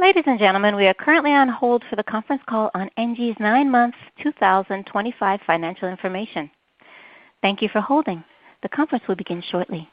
Ladies and gentlemen, we are currently on hold for the conference call on ENGIE's nine-month 2025 financial information. Thank you for holding. The conference will begin shortly.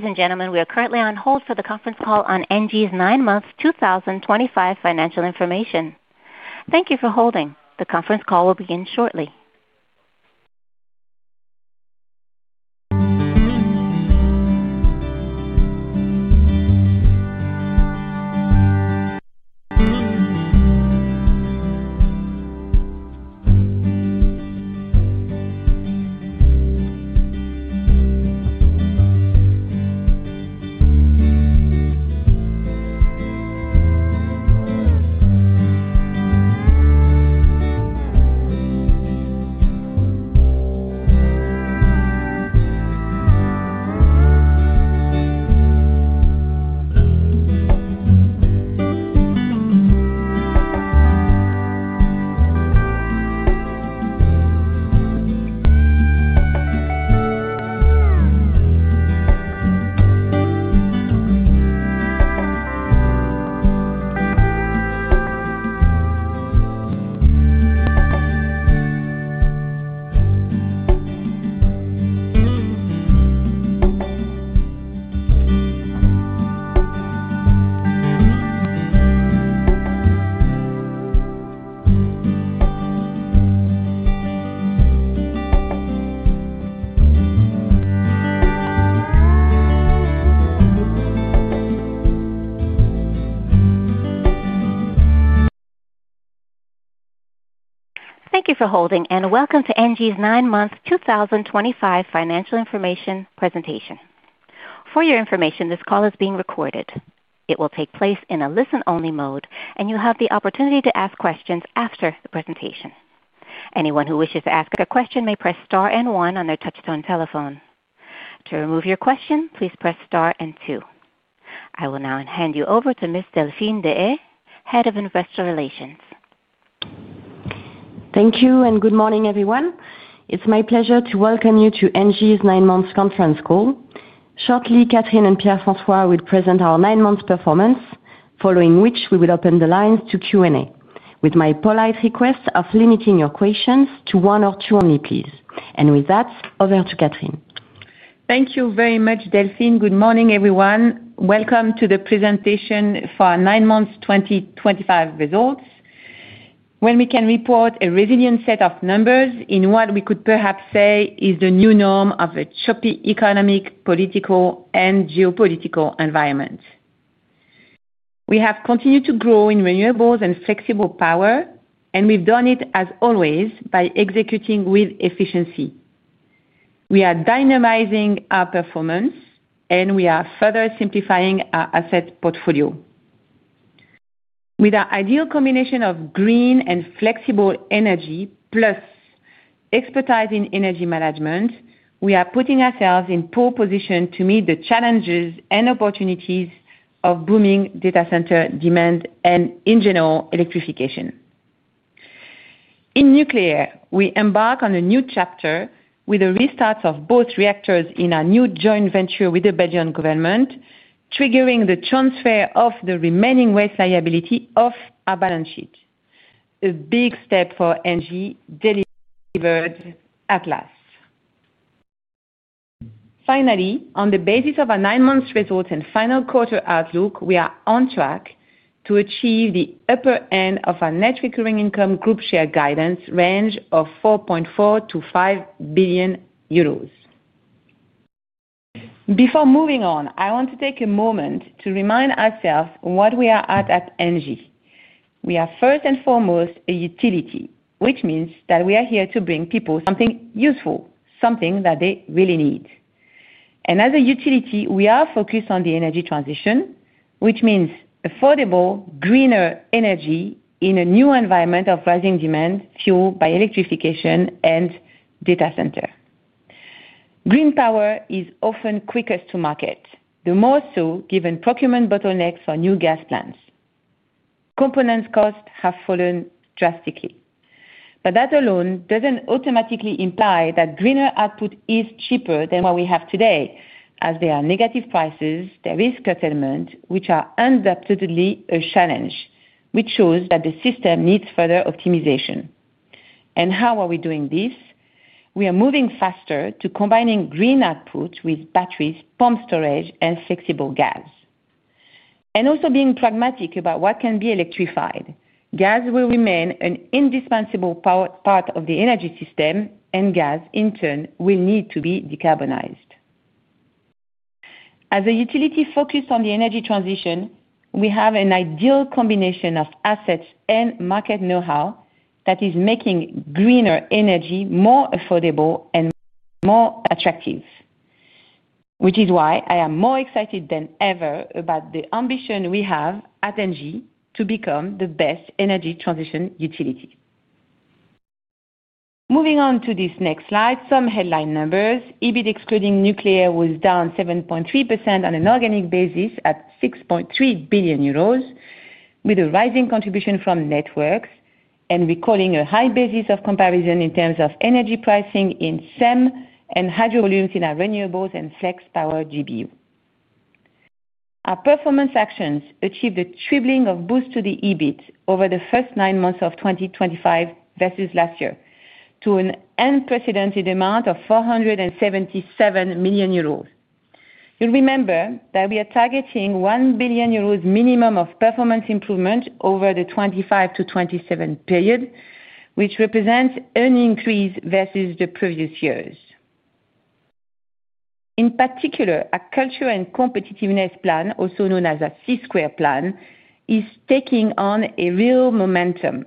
Thank you for holding and welcome to ENGIE's nine-month 2025 financial information presentation. For your information, this call is being recorded. It will take place in a listen-only mode, and you'll have the opportunity to ask questions after the presentation. Anyone who wishes to ask a question may press star and one on their touchstone telephone. To remove your question, please press star and two. I will now hand you over to Ms. Delphine Deshayes, Head of Investor Relations. Thank you and good morning, everyone. It is my pleasure to welcome you to ENGIE's nine-month conference call. Shortly, Catherine and Pierre-François will present our nine-month performance, following which we will open the lines to Q&A with my polite request of limiting your questions to one or two only, please. With that, over to Catherine. Thank you very much, Delphine. Good morning, everyone. Welcome to the presentation for our nine-month 2025 results. We can report a resilient set of numbers in what we could perhaps say is the new norm of a choppy economic, political, and geopolitical environment. We have continued to grow in renewables and flexible power, and we've done it, as always, by executing with efficiency. We are dynamizing our performance, and we are further simplifying our asset portfolio. With our ideal combination of green and flexible energy, plus expertise in energy management, we are putting ourselves in pole position to meet the challenges and opportunities of booming data center demand and, in general, electrification. In nuclear, we embark on a new chapter with the restarts of both reactors in our new joint venture with the Belgian government, triggering the transfer of the remaining waste liability off our balance sheet. A big step for ENGIE, delivered at last. Finally, on the basis of our nine-month results and final quarter outlook, we are on track to achieve the upper end of our net recurring income group share guidance range of 4.4 billion-5 billion euros. Before moving on, I want to take a moment to remind ourselves what we are at ENGIE. We are, first and foremost, a utility, which means that we are here to bring people something useful, something that they really need. As a utility, we are focused on the energy transition, which means affordable, greener energy in a new environment of rising demand fueled by electrification and data center. Green power is often quickest to market, the more so given procurement bottlenecks for new gas plants. Components' costs have fallen drastically. That alone does not automatically imply that greener output is cheaper than what we have today, as there are negative prices, there is settlement, which are undoubtedly a challenge, which shows that the system needs further optimization. How are we doing this? We are moving faster to combining green output with batteries, pump storage, and flexible gas. We are also being pragmatic about what can be electrified. Gas will remain an indispensable part of the energy system, and gas, in turn, will need to be decarbonized. As a utility focused on the energy transition, we have an ideal combination of assets and market know-how that is making greener energy more affordable and more attractive. This is why I am more excited than ever about the ambition we have at ENGIE to become the best energy transition utility. Moving on to this next slide, some headline numbers. EBIT, excluding nuclear, was down 7.3% on an organic basis at 6.3 billion euros, with a rising contribution from networks and recalling a high basis of comparison in terms of energy pricing in SEM and hydro volumes in our renewables and flex power GBU. Our performance actions achieved a tripling of boost to the EBIT over the first nine months of 2025 versus last year to an unprecedented amount of 477 million euros. You'll remember that we are targeting 1 billion euros minimum of performance improvement over the 2025-2027 period, which represents an increase versus the previous years. In particular, our culture and competitiveness plan, also known as a C-Square Plan, is taking on a real momentum.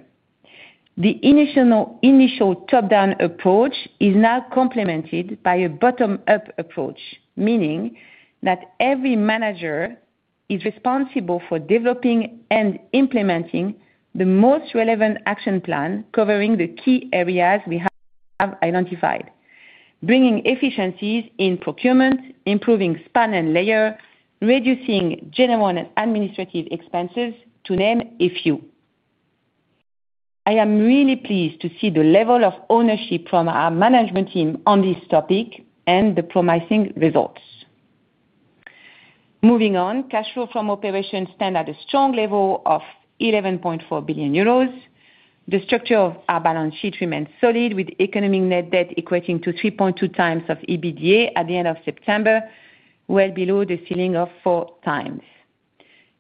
The initial top-down approach is now complemented by a bottom-up approach, meaning that every manager is responsible for developing and implementing the most relevant action plan covering the key areas we have identified, bringing efficiencies in procurement, improving span and layer, reducing general administrative expenses, to name a few. I am really pleased to see the level of ownership from our management team on this topic and the promising results. Moving on, cash flow from operations stand at a strong level of 11.4 billion euros. The structure of our balance sheet remains solid, with economic net debt equating to 3.2x EBITDA at the end of September. This is below the ceiling of 4x.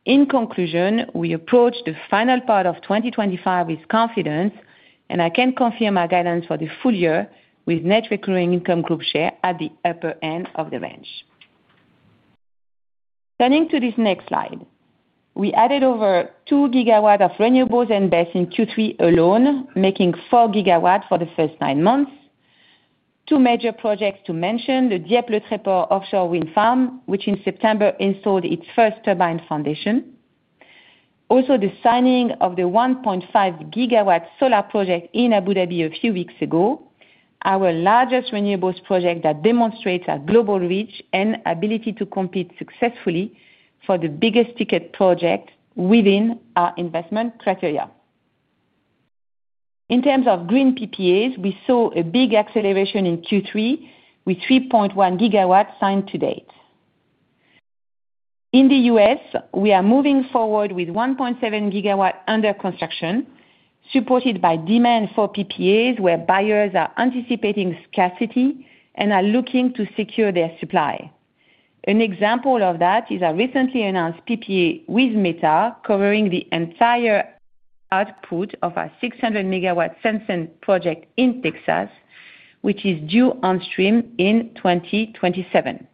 In conclusion, we approach the final part of 2025 with confidence, and I can confirm our guidance for the full year with net recurring income group share at the upper end of the range. Turning to this next slide, we added over 2 GW of renewables and BESS in Q3 alone, making 4 GW for the first nine months. Two major projects to mention: the Dieppe-Le Tréport offshore wind farm, which in September installed its first turbine foundation. Also, the signing of the 1.5 GW solar project in Abu Dhabi a few weeks ago, our largest renewables project that demonstrates our global reach and ability to compete successfully for the biggest ticket project within our investment criteria. In terms of green PPAs, we saw a big acceleration in Q3 with 3.1 GW signed to date. In the U.S., we are moving forward with 1.7 GW under construction, supported by demand for PPAs where buyers are anticipating scarcity and are looking to secure their supply. An example of that is our recently announced PPA with Meta, covering the entire output of our 600 MW Senson project in Texas, which is due on stream in 2027.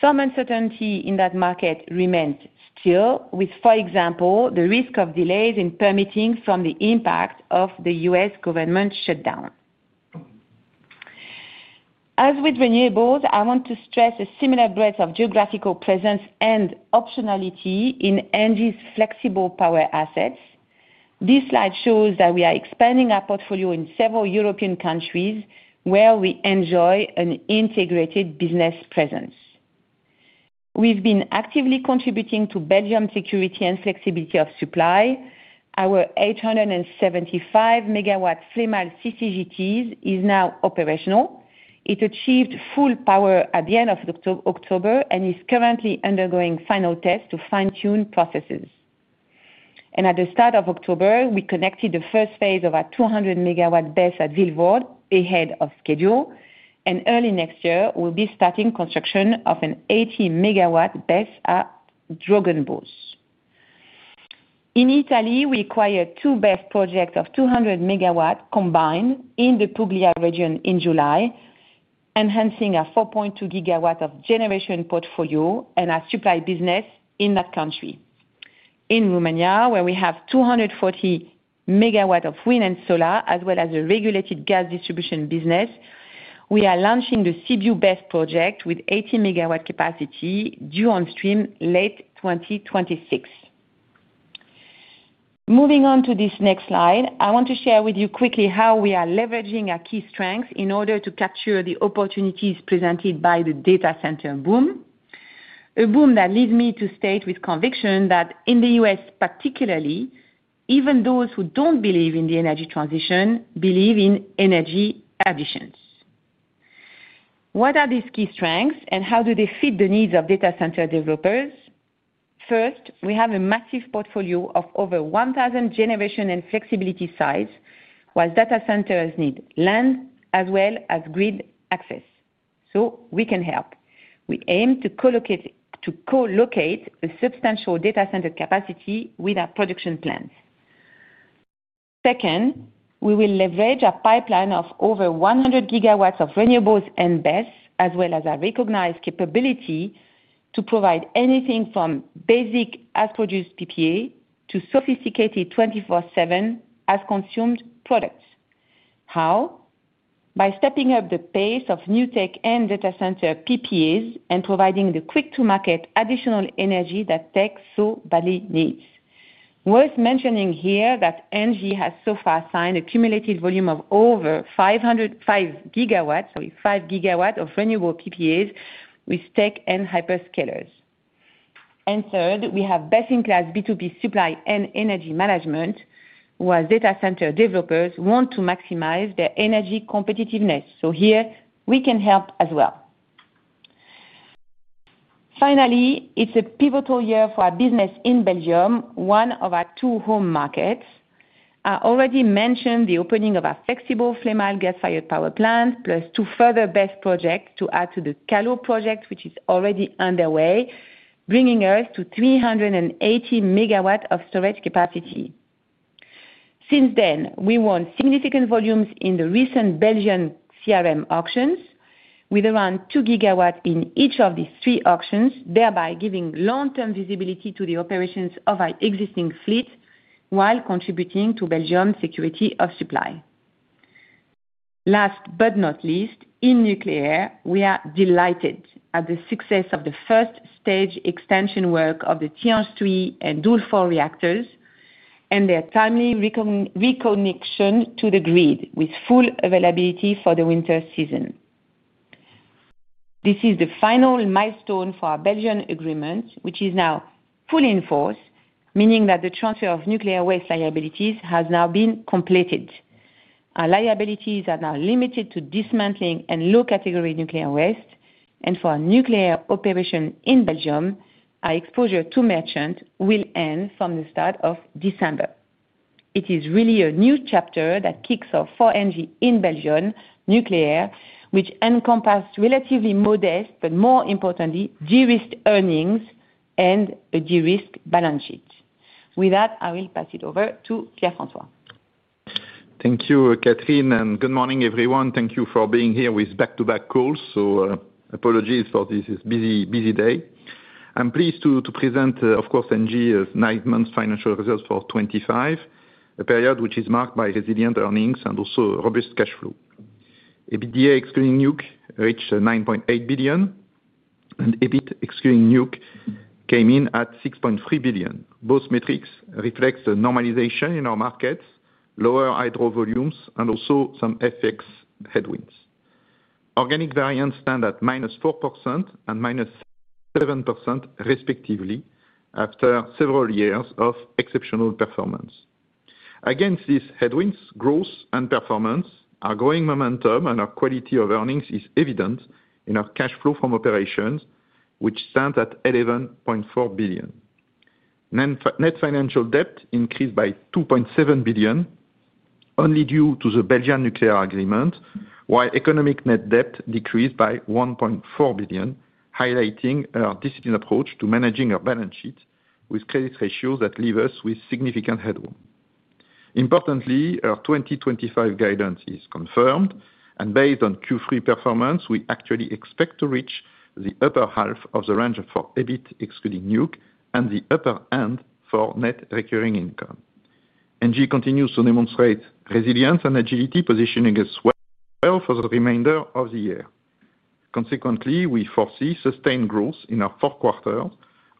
Some uncertainty in that market remains still, with, for example, the risk of delays in permitting from the impact of the U.S. government shutdown. As with renewables, I want to stress a similar breadth of geographical presence and optionality in ENGIE's flexible power assets. This slide shows that we are expanding our portfolio in several European countries where we enjoy an integrated business presence. We've been actively contributing to Belgium's security and flexibility of supply. Our 875 MW Flémalle CCGT is now operational. It achieved full power at the end of October and is currently undergoing final tests to fine-tune processes. At the start of October, we connected the first phase of our 200 MW BESS at Vilvoorde ahead of schedule, and early next year, we'll be starting construction of an 80 MW BESS at Drogenbos. In Italy, we acquired two BESS projects of 200 MW combined in the Puglia region in July, enhancing our 4.2 GW of generation portfolio and our supply business in that country. In Romania, where we have 240 MW of wind and solar, as well as a regulated gas distribution business, we are launching the Sibiu BESS project with 80 MW capacity due on stream late 2026. Moving on to this next slide, I want to share with you quickly how we are leveraging our key strengths in order to capture the opportunities presented by the data center boom. A boom that leads me to state with conviction that in the U.S., particularly, even those who do not believe in the energy transition believe in energy additions. What are these key strengths, and how do they fit the needs of data center developers? First, we have a massive portfolio of over 1,000 generation and flexibility sites, while data centers need land as well as grid access. We can help. We aim to colocate a substantial data center capacity with our production plants. Second, we will leverage a pipeline of over 100 GW of renewables and BESS, as well as our recognized capability to provide anything from basic as-produced PPA to sophisticated 24/7 as-consumed products. How? By stepping up the pace of new tech and data center PPAs and providing the quick-to-market additional energy that tech so badly needs. Worth mentioning here that ENGIE has so far signed a cumulative volume of over 505 GW, sorry, 5 GW of renewable PPAs with tech and hyperscalers. Third, we have best-in-class B2B supply and energy management. Where data center developers want to maximize their energy competitiveness. We can help as well. Finally, it's a pivotal year for our business in Belgium, one of our two home markets. I already mentioned the opening of our flexible Flémalle gas-fired power plant, plus two further BESS projects to add to the CALO project, which is already underway, bringing us to 380 MW of storage capacity. Since then, we won significant volumes in the recent Belgian CRM auctions, with around 2 GW in each of these three auctions, thereby giving long-term visibility to the operations of our existing fleet while contributing to Belgium's security of supply. Last but not least, in nuclear, we are delighted at the success of the first stage extension work of the Tihange 3 and Doel 4 reactors and their timely reconnection to the grid, with full availability for the winter season. This is the final milestone for our Belgian agreement, which is now fully in force, meaning that the transfer of nuclear waste liabilities has now been completed. Our liabilities are now limited to dismantling and low-category nuclear waste, and for our nuclear operation in Belgium, our exposure to merchant will end from the start of December. It is really a new chapter that kicks off for ENGIE in Belgium nuclear, which encompassed relatively modest, but more importantly, de-risked earnings and a de-risked balance sheet. With that, I will pass it over to Pierre-François. Thank you, Catherine, and good morning, everyone. Thank you for being here with back-to-back calls. Apologies for this busy day. I'm pleased to present, of course, ENGIE's nine-month financial results for 2025, a period which is marked by resilient earnings and also robust cash flow. EBITDA excluding NUC reached 9.8 billion, and EBIT excluding NUC came in at 6.3 billion. Both metrics reflect normalization in our markets, lower hydro volumes, and also some FX headwinds. Organic variance stand at -4% and -7%, respectively, after several years of exceptional performance. Against these headwinds, growth and performance, our growing momentum and our quality of earnings is evident in our cash flow from operations, which stand at 11.4 billion. Net financial debt increased by 2.7 billion only due to the Belgian nuclear agreement, while economic net debt decreased by 1.4 billion, highlighting our disciplined approach to managing our balance sheet with credit ratios that leave us with significant headroom. Importantly, our 2025 guidance is confirmed, and based on Q3 performance, we actually expect to reach the upper half of the range for EBIT excluding NUC and the upper end for net recurring income. ENGIE continues to demonstrate resilience and agility, positioning us well for the remainder of the year. Consequently, we foresee sustained growth in our four quarters,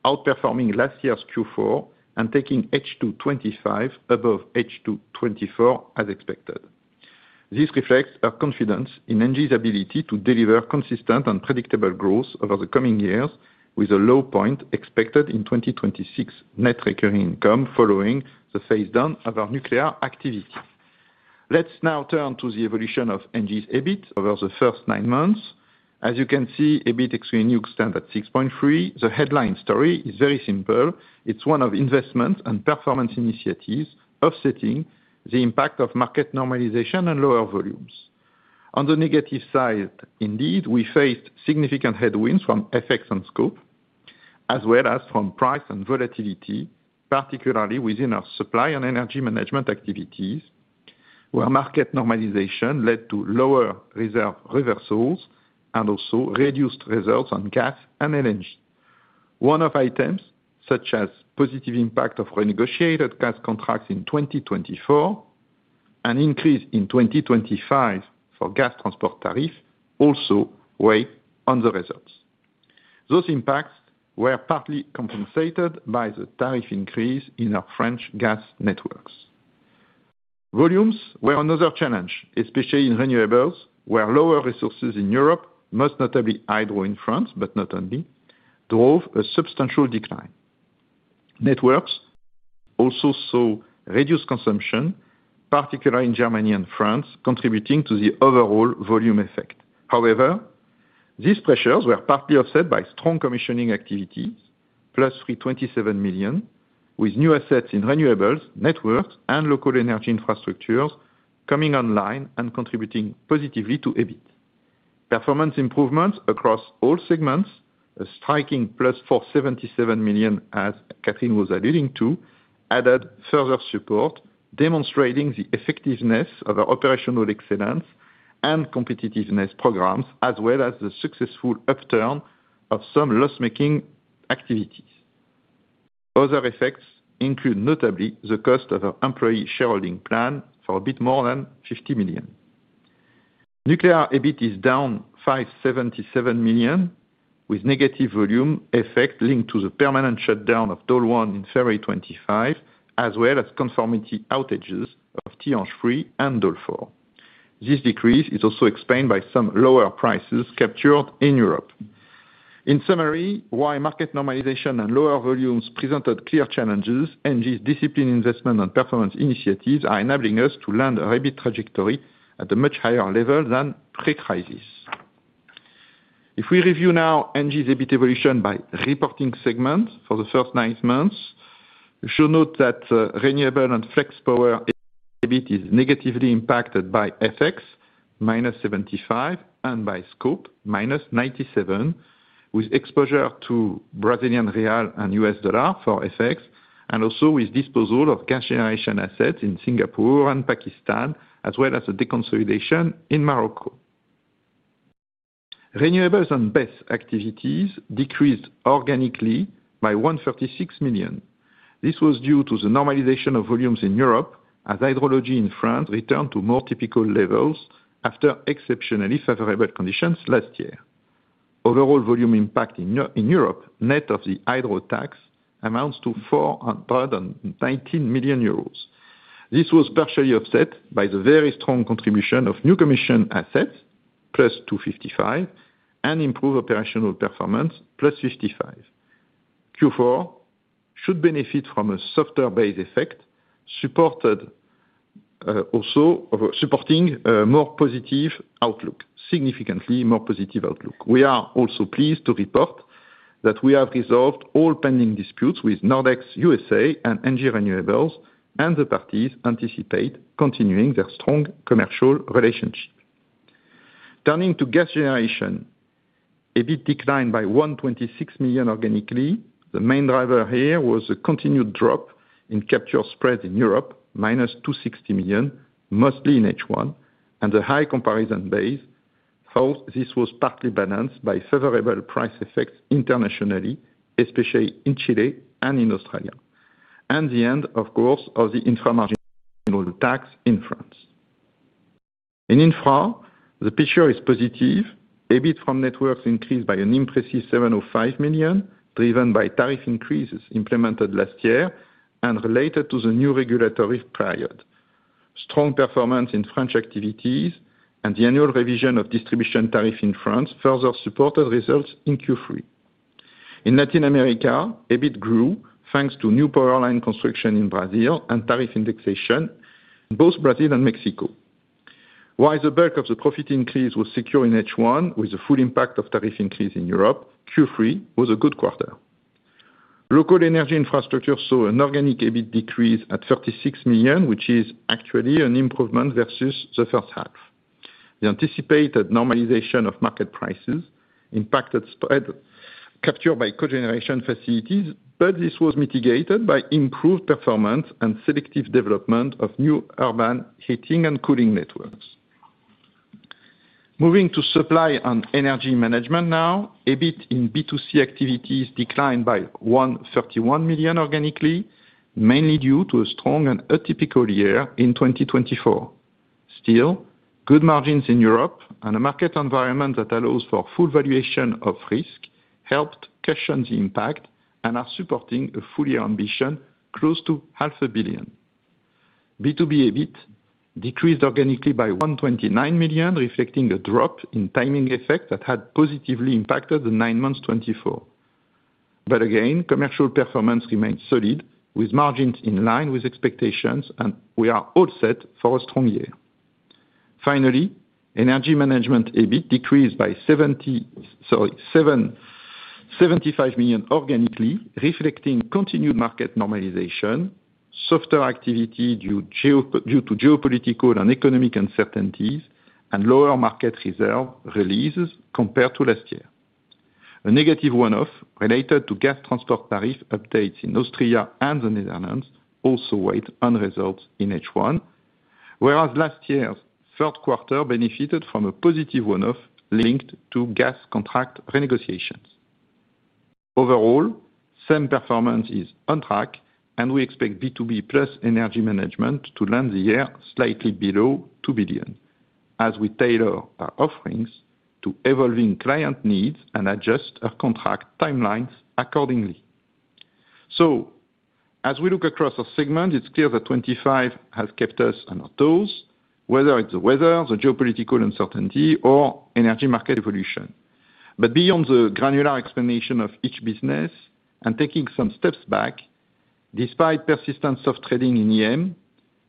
outperforming last year's Q4 and taking H2 2025 above H2 2024 as expected. This reflects our confidence in ENGIE's ability to deliver consistent and predictable growth over the coming years, with a low point expected in 2026 net recurring income following the phase-down of our nuclear activity. Let's now turn to the evolution of ENGIE's EBIT over the first nine months. As you can see, EBIT excluding NUC stands at 6.3. The headline story is very simple. It's one of investment and performance initiatives offsetting the impact of market normalization and lower volumes. On the negative side, indeed, we faced significant headwinds from FX and scope, as well as from price and volatility, particularly within our supply and energy management activities. Where market normalization led to lower reserve reversals and also reduced results on gas and LNG. One of the items, such as the positive impact of renegotiated gas contracts in 2024, and an increase in 2025 for gas transport tariffs, also weighed on the results. Those impacts were partly compensated by the tariff increase in our French gas networks. Volumes were another challenge, especially in renewables, where lower resources in Europe, most notably hydro in France, but not only, drove a substantial decline. Networks also saw reduced consumption, particularly in Germany and France, contributing to the overall volume effect. However, these pressures were partly offset by strong commissioning activities, +327 million, with new assets in renewables, networks, and local energy infrastructures coming online and contributing positively to EBIT. Performance improvements across all segments, a striking +477 million, as Catherine was alluding to, added further support, demonstrating the effectiveness of our operational excellence and competitiveness programs, as well as the successful upturn of some loss-making activities. Other effects include notably the cost of our employee shareholding plan for a bit more than 50 million. Nuclear EBIT is down 577 million, with negative volume effects linked to the permanent shutdown of DOL 1 in February 2025, as well as conformity outages of Tier 3 and DOL 4. This decrease is also explained by some lower prices captured in Europe. In summary, while market normalization and lower volumes presented clear challenges, ENGIE's disciplined investment and performance initiatives are enabling us to land a rebate trajectory at a much higher level than pre-crisis. If we review now ENGIE's EBIT evolution by reporting segment for the first nine months. You should note that renewable and flex power EBIT is negatively impacted by FX, -75, and by scope, -97, with exposure to Brazilian real and U.S. dollar for FX, and also with disposal of cash generation assets in Singapore and Pakistan, as well as a deconsolidation in Morocco. Renewables and BESS activities decreased organically by 136 million. This was due to the normalization of volumes in Europe, as hydrology in France returned to more typical levels after exceptionally favorable conditions last year. Overall volume impact in Europe, net of the hydro tax, amounts to 419 million euros. This was partially offset by the very strong contribution of new commissioned assets, +255, and improved operational performance, +55. Q4 should benefit from a softer base effect, supporting. More positive outlook, significantly more positive outlook. We are also pleased to report that we have resolved all pending disputes with Nordex U.S.A and ENGIE Renewables, and the parties anticipate continuing their strong commercial relationship. Turning to gas generation. EBIT declined by 126 million organically. The main driver here was the continued drop in capture spread in Europe, -260 million, mostly in H1, and the high comparison base, though this was partly balanced by favorable price effects internationally, especially in Chile and in Australia. The end, of course, of the inframarginal tax in France. In infra, the picture is positive. EBIT from networks increased by an impressive 705 million, driven by tariff increases implemented last year and related to the new regulatory period. Strong performance in French activities and the annual revision of distribution tariff in France further supported results in Q3. In Latin America, EBIT grew thanks to new power line construction in Brazil and tariff indexation. Both Brazil and Mexico. While the bulk of the profit increase was secure in H1, with the full impact of tariff increase in Europe, Q3 was a good quarter. Local energy infrastructure saw an organic EBIT decrease at 36 million, which is actually an improvement versus the first half. The anticipated normalization of market prices impacted spread captured by cogeneration facilities, but this was mitigated by improved performance and selective development of new urban heating and cooling networks. Moving to supply and energy management now, EBIT in B2C activities declined by 131 million organically, mainly due to a strong and atypical year in 2024. Still, good margins in Europe and a market environment that allows for full valuation of risk helped cushion the impact and are supporting a full-year ambition close to 500 million. B2B EBIT decreased organically by 129 million reflecting a drop in timing effect that had positively impacted the nine months 2024. Commercial performance remained solid, with margins in line with expectations, and we are all set for a strong year. Finally, energy management EBIT decreased by 75 million organically, reflecting continued market normalization, softer activity due to geopolitical and economic uncertainties, and lower market reserve releases compared to last year. A negative one-off related to gas transport tariff updates in Austria and the Netherlands also weighed on results in H1, whereas last year's third quarter benefited from a positive one-off linked to gas contract renegotiations. Overall, SEM performance is on track, and we expect B2B plus energy management to land the year slightly below 2 billion, as we tailor our offerings to evolving client needs and adjust our contract timelines accordingly. As we look across our segment, it is clear that 2025 has kept us on our toes, whether it is the weather, the geopolitical uncertainty, or energy market evolution. Beyond the granular explanation of each business and taking some steps back. Despite persistent soft trading in EM,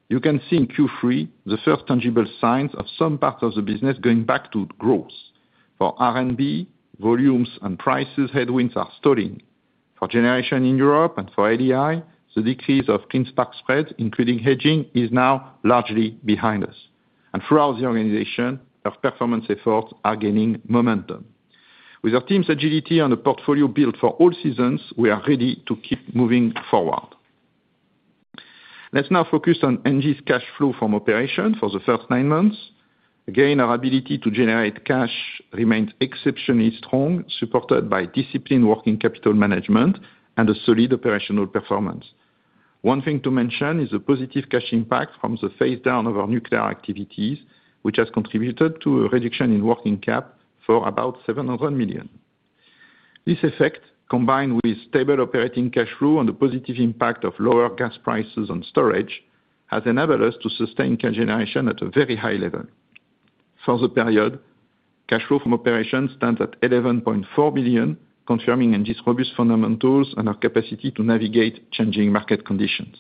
you can see in Q3 the first tangible signs of some parts of the business going back to growth. For R&B, volumes and prices headwinds are stalling. For generation in Europe and for LEI, the decrease of clean spark spread, including hedging, is now largely behind us. Throughout the organization, our performance efforts are gaining momentum. With our team's agility and the portfolio built for all seasons, we are ready to keep moving forward. Let's now focus on ENGIE's cash flow from operations for the first nine months. Again, our ability to generate cash remained exceptionally strong, supported by disciplined working capital management and a solid operational performance. One thing to mention is the positive cash impact from the phase-down of our nuclear activities, which has contributed to a reduction in working capital for about 700 million. This effect, combined with stable operating cash flow and the positive impact of lower gas prices and storage, has enabled us to sustain cash generation at a very high level. For the period, cash flow from operations stands at 11.4 billion, confirming ENGIE's robust fundamentals and our capacity to navigate changing market conditions.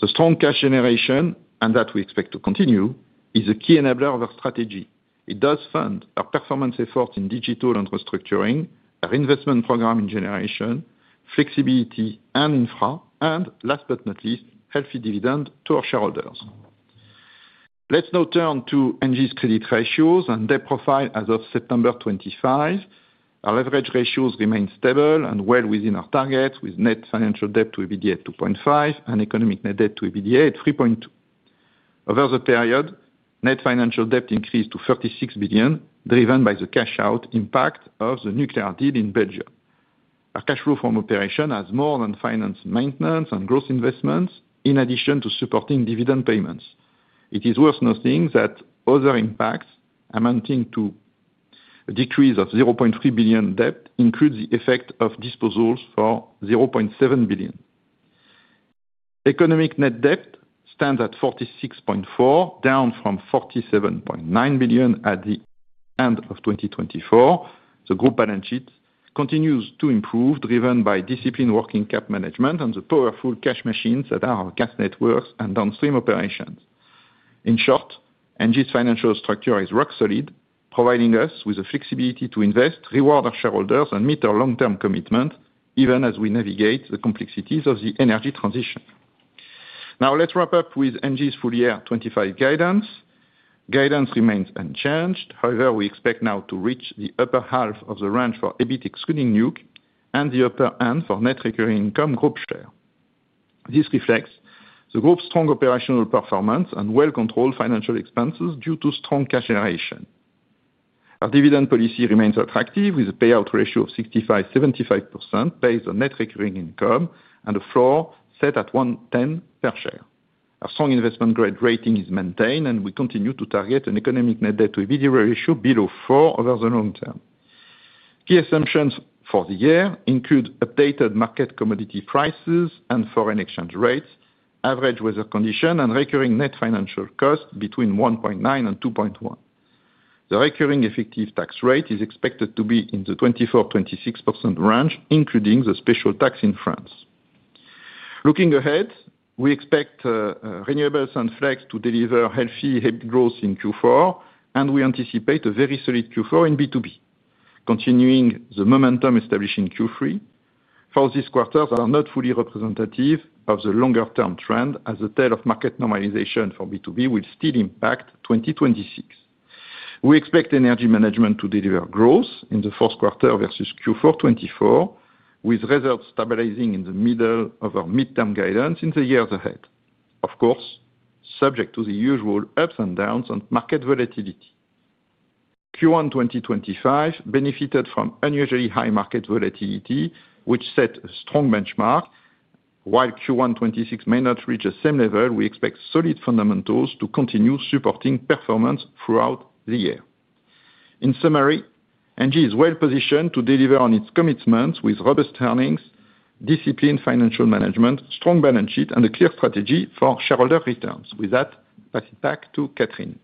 The strong cash generation, and that we expect to continue, is a key enabler of our strategy. It does fund our performance efforts in digital and restructuring, our investment program in generation, flexibility and infra, and last but not least, healthy dividends to our shareholders. Let's now turn to ENGIE's credit ratios and debt profile as of September 2025. Our leverage ratios remain stable and well within our targets, with net financial debt to EBITDA at 2.5 billion and economic net debt to EBITDA at 3.2 billion. Over the period, net financial debt increased to 36 billion, driven by the cash-out impact of the nuclear deal in Belgium. Our cash flow from operations has more than financed maintenance and gross investments, in addition to supporting dividend payments. It is worth noting that other impacts amounting to a decrease of 0.3 billion debt includes the effect of disposals for 0.7 billion. Economic net debt stands at 46.4 million, down from 47.9 million at the end of 2024. The group balance sheet continues to improve, driven by disciplined working cap management and the powerful cash machines that are our gas networks and downstream operations. In short, ENGIE's financial structure is rock solid, providing us with the flexibility to invest, reward our shareholders, and meet our long-term commitment, even as we navigate the complexities of the energy transition. Now, let's wrap up with ENGIE's full-year 2025 guidance. Guidance remains unchanged. However, we expect now to reach the upper half of the range for EBIT excluding nuclear and the upper end for net recurring income group share. This reflects the group's strong operational performance and well-controlled financial expenses due to strong cash generation. Our dividend policy remains attractive, with a payout ratio of 65%-75% based on net recurring income and a floor set at 1.10 per share. Our strong investment grade rating is maintained, and we continue to target an economic net debt to EBIT ratio below 4 over the long-term. Key assumptions for the year include updated market commodity prices and foreign exchange rates, average weather conditions, and recurring net financial costs between 1.9 billion and 2.1 billion. The recurring effective tax rate is expected to be in the 24%-26% range, including the special tax in France. Looking ahead, we expect renewables and flex to deliver healthy EBIT growth in Q4, and we anticipate a very solid Q4 in B2B, continuing the momentum established in Q3. For this quarter, they are not fully representative of the longer-term trend, as the tail of market normalization for B2B will still impact 2026. We expect energy management to deliver growth in the fourth quarter versus Q4 2024, with results stabilizing in the middle of our mid-term guidance in the years ahead. Of course, subject to the usual ups and downs and market volatility. Q1 2025 benefited from unusually high market volatility, which set a strong benchmark. While Q1 2026 may not reach the same level, we expect solid fundamentals to continue supporting performance throughout the year. In summary, ENGIE is well positioned to deliver on its commitments with robust earnings, disciplined financial management, strong balance sheet, and a clear strategy for shareholder returns. With that, I pass it back to Catherine.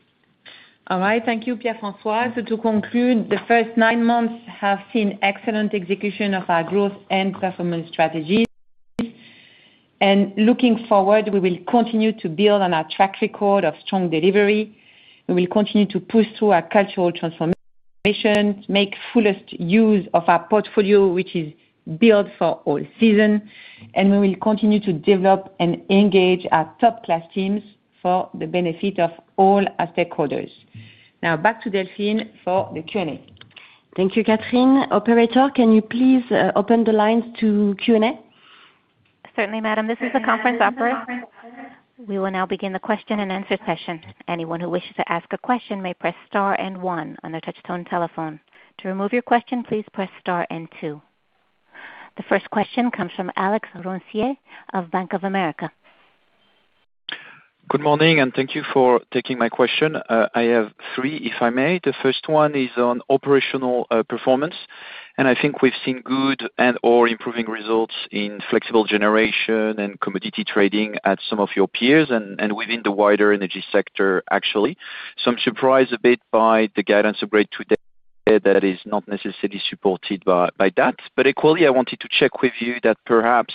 All right, thank you, Pierre-François. To conclude, the first nine months have seen excellent execution of our growth and performance strategies. Looking forward, we will continue to build on our track record of strong delivery. We will continue to push through our cultural transformation, make fullest use of our portfolio, which is built for all seasons, and we will continue to develop and engage our top-class teams for the benefit of all our stakeholders. Now, back to Delphine for the Q&A Thank you, Catherine. Operator, can you please open the lines to Q&A? Certainly, madam. This is the conference operator. We will now begin the question-and-answer session. Anyone who wishes to ask a question may press star and one on their touchstone telephone. To remove your question, please press star and two. The first question comes from Alex Roncier of Bank of America. Good morning, and thank you for taking my question. I have three, if I may. The first one is on operational performance, and I think we've seen good and/or improving results in flexible generation and commodity trading at some of your peers and within the wider energy sector, actually. I am surprised a bit by the guidance upgrade today that is not necessarily supported by that. Equally, I wanted to check with you that perhaps,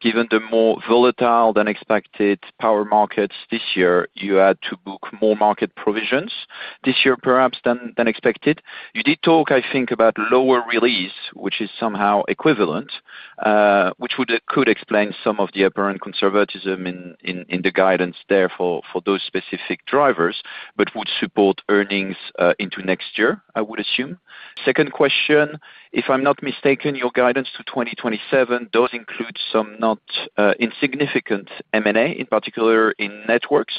given the more volatile than expected power markets this year, you had to book more market provisions this year, perhaps, than expected. You did talk, I think, about lower release, which is somehow equivalent, which could explain some of the apparent conservatism in the guidance there for those specific drivers, but would support earnings into next year, I would assume. Second question, if I'm not mistaken, your guidance to 2027 does include some not insignificant M&A, in particular in networks.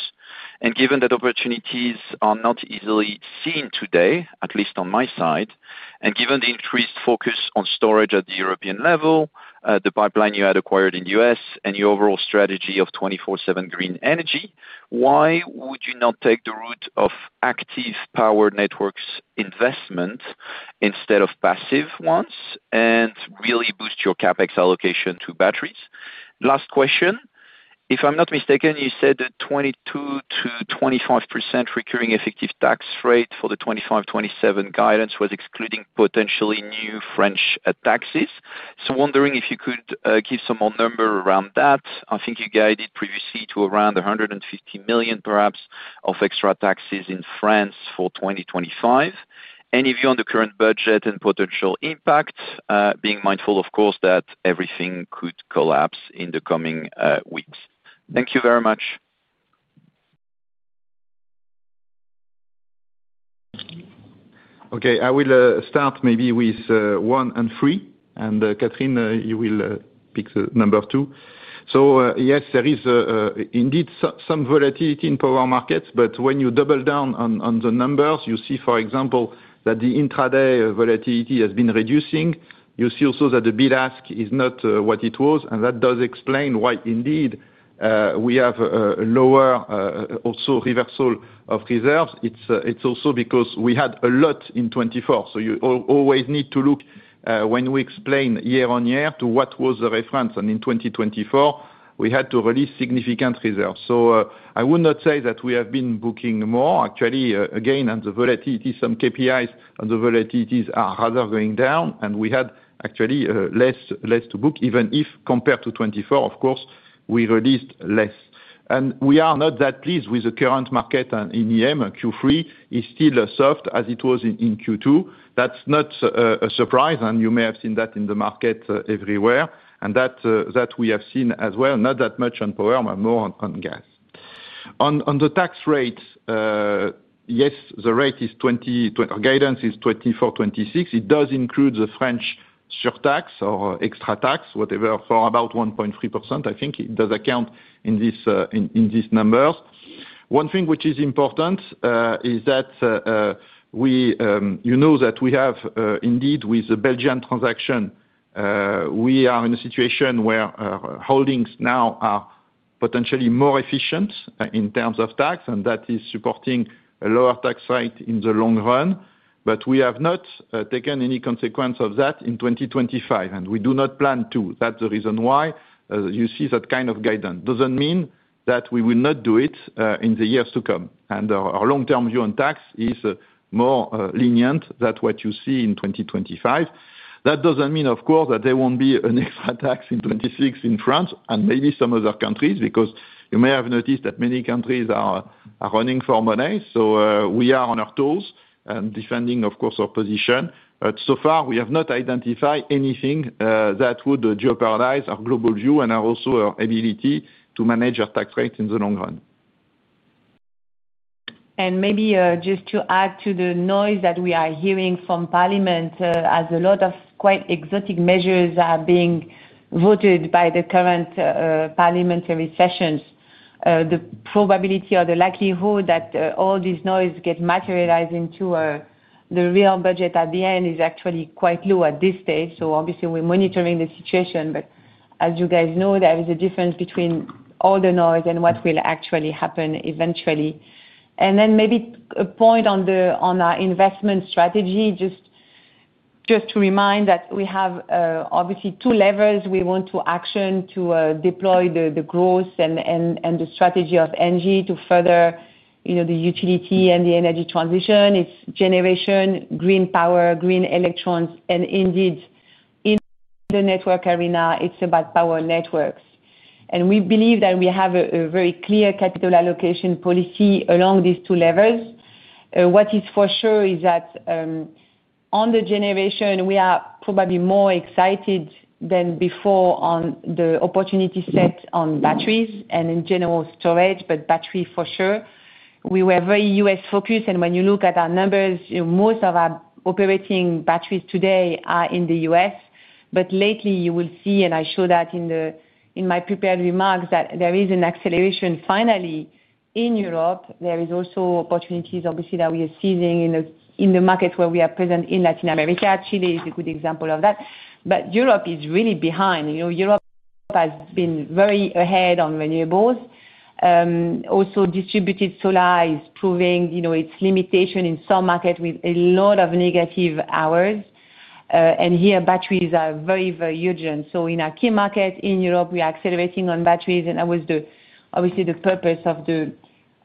Given that opportunities are not easily seen today, at least on my side, and given the increased focus on storage at the European level, the pipeline you had acquired in the U.S., and your overall strategy of 24/7 green energy, why would you not take the route of active power networks investment instead of passive ones and really boost your CapEx allocation to batteries? Last question. If I'm not mistaken, you said the 22%-25% recurring effective tax rate for the 2025-2027 guidance was excluding potentially new French taxes. Wondering if you could give some more number around that. I think you guided previously to around 150 million, perhaps, of extra taxes in France for 2025. Any view on the current budget and potential impact, being mindful, of course, that everything could collapse in the coming weeks? Thank you very much. Okay. I will start maybe with one and three, and Catherine, you will pick number two. Yes, there is indeed some volatility in power markets, but when you double down on the numbers, you see, for example, that the intraday volatility has been reducing. You see also that the bid-ask is not what it was, and that does explain why, indeed, we have a lower also reversal of reserves. It is also because we had a lot in 2024. You always need to look when we explain year-on-year to what was the reference, and in 2024, we had to release significant reserves. I would not say that we have been booking more. Actually, again, on the volatility, some KPIs on the volatilities are rather going down, and we had actually less to book, even if compared to 2024, of course, we released less. We are not that pleased with the current market in EM. Q3 is still soft as it was in Q2. That's not a surprise, and you may have seen that in the market everywhere, and that we have seen as well. Not that much on power, but more on gas. On the tax rate. Yes, the rate is 20% or guidance is 24%-26%. It does include the French surtax or extra tax, whatever, for about 1.3%. I think it does account in these numbers. One thing which is important is that, you know, that we have, indeed, with the Belgian transaction. We are in a situation where our holdings now are potentially more efficient in terms of tax, and that is supporting a lower tax rate in the long run. We have not taken any consequence of that in 2025, and we do not plan to. That's the reason why you see that kind of guidance. It doesn't mean that we will not do it in the years to come. Our long-term view on tax is more lenient than what you see in 2025. That doesn't mean, of course, that there won't be an extra tax in 2026 in France and maybe some other countries, because you may have noticed that many countries are running for money. We are on our toes and defending, of course, our position. So far, we have not identified anything that would jeopardize our global view and also our ability to manage our tax rate in the long run. Maybe just to add to the noise that we are hearing from Parliament, as a lot of quite exotic measures are being voted by the current. Parliamentary sessions, the probability or the likelihood that all this noise gets materialized into the real budget at the end is actually quite low at this stage. Obviously, we're monitoring the situation, but as you guys know, there is a difference between all the noise and what will actually happen eventually. Maybe a point on our investment strategy, just to remind that we have obviously two levers we want to action to deploy the growth and the strategy of ENGIE to further the utility and the energy transition. It's generation, green power, green electrons, and indeed in the network arena, it's about power networks. We believe that we have a very clear capital allocation policy along these two levers. What is for sure is that. On the generation, we are probably more excited than before on the opportunity set on batteries and in general storage, but battery for sure. We were very U.S.-focused, and when you look at our numbers, most of our operating batteries today are in the U.S. Lately, you will see, and I show that in my prepared remarks, that there is an acceleration finally in Europe. There are also opportunities, obviously, that we are seizing in the markets where we are present in Latin America. Chile is a good example of that. Europe is really behind. Europe has been very ahead on renewables. Also, distributed solar is proving its limitation in some markets with a lot of negative hours. Here, batteries are very, very urgent. In our key market in Europe, we are accelerating on batteries, and that was obviously the purpose of the.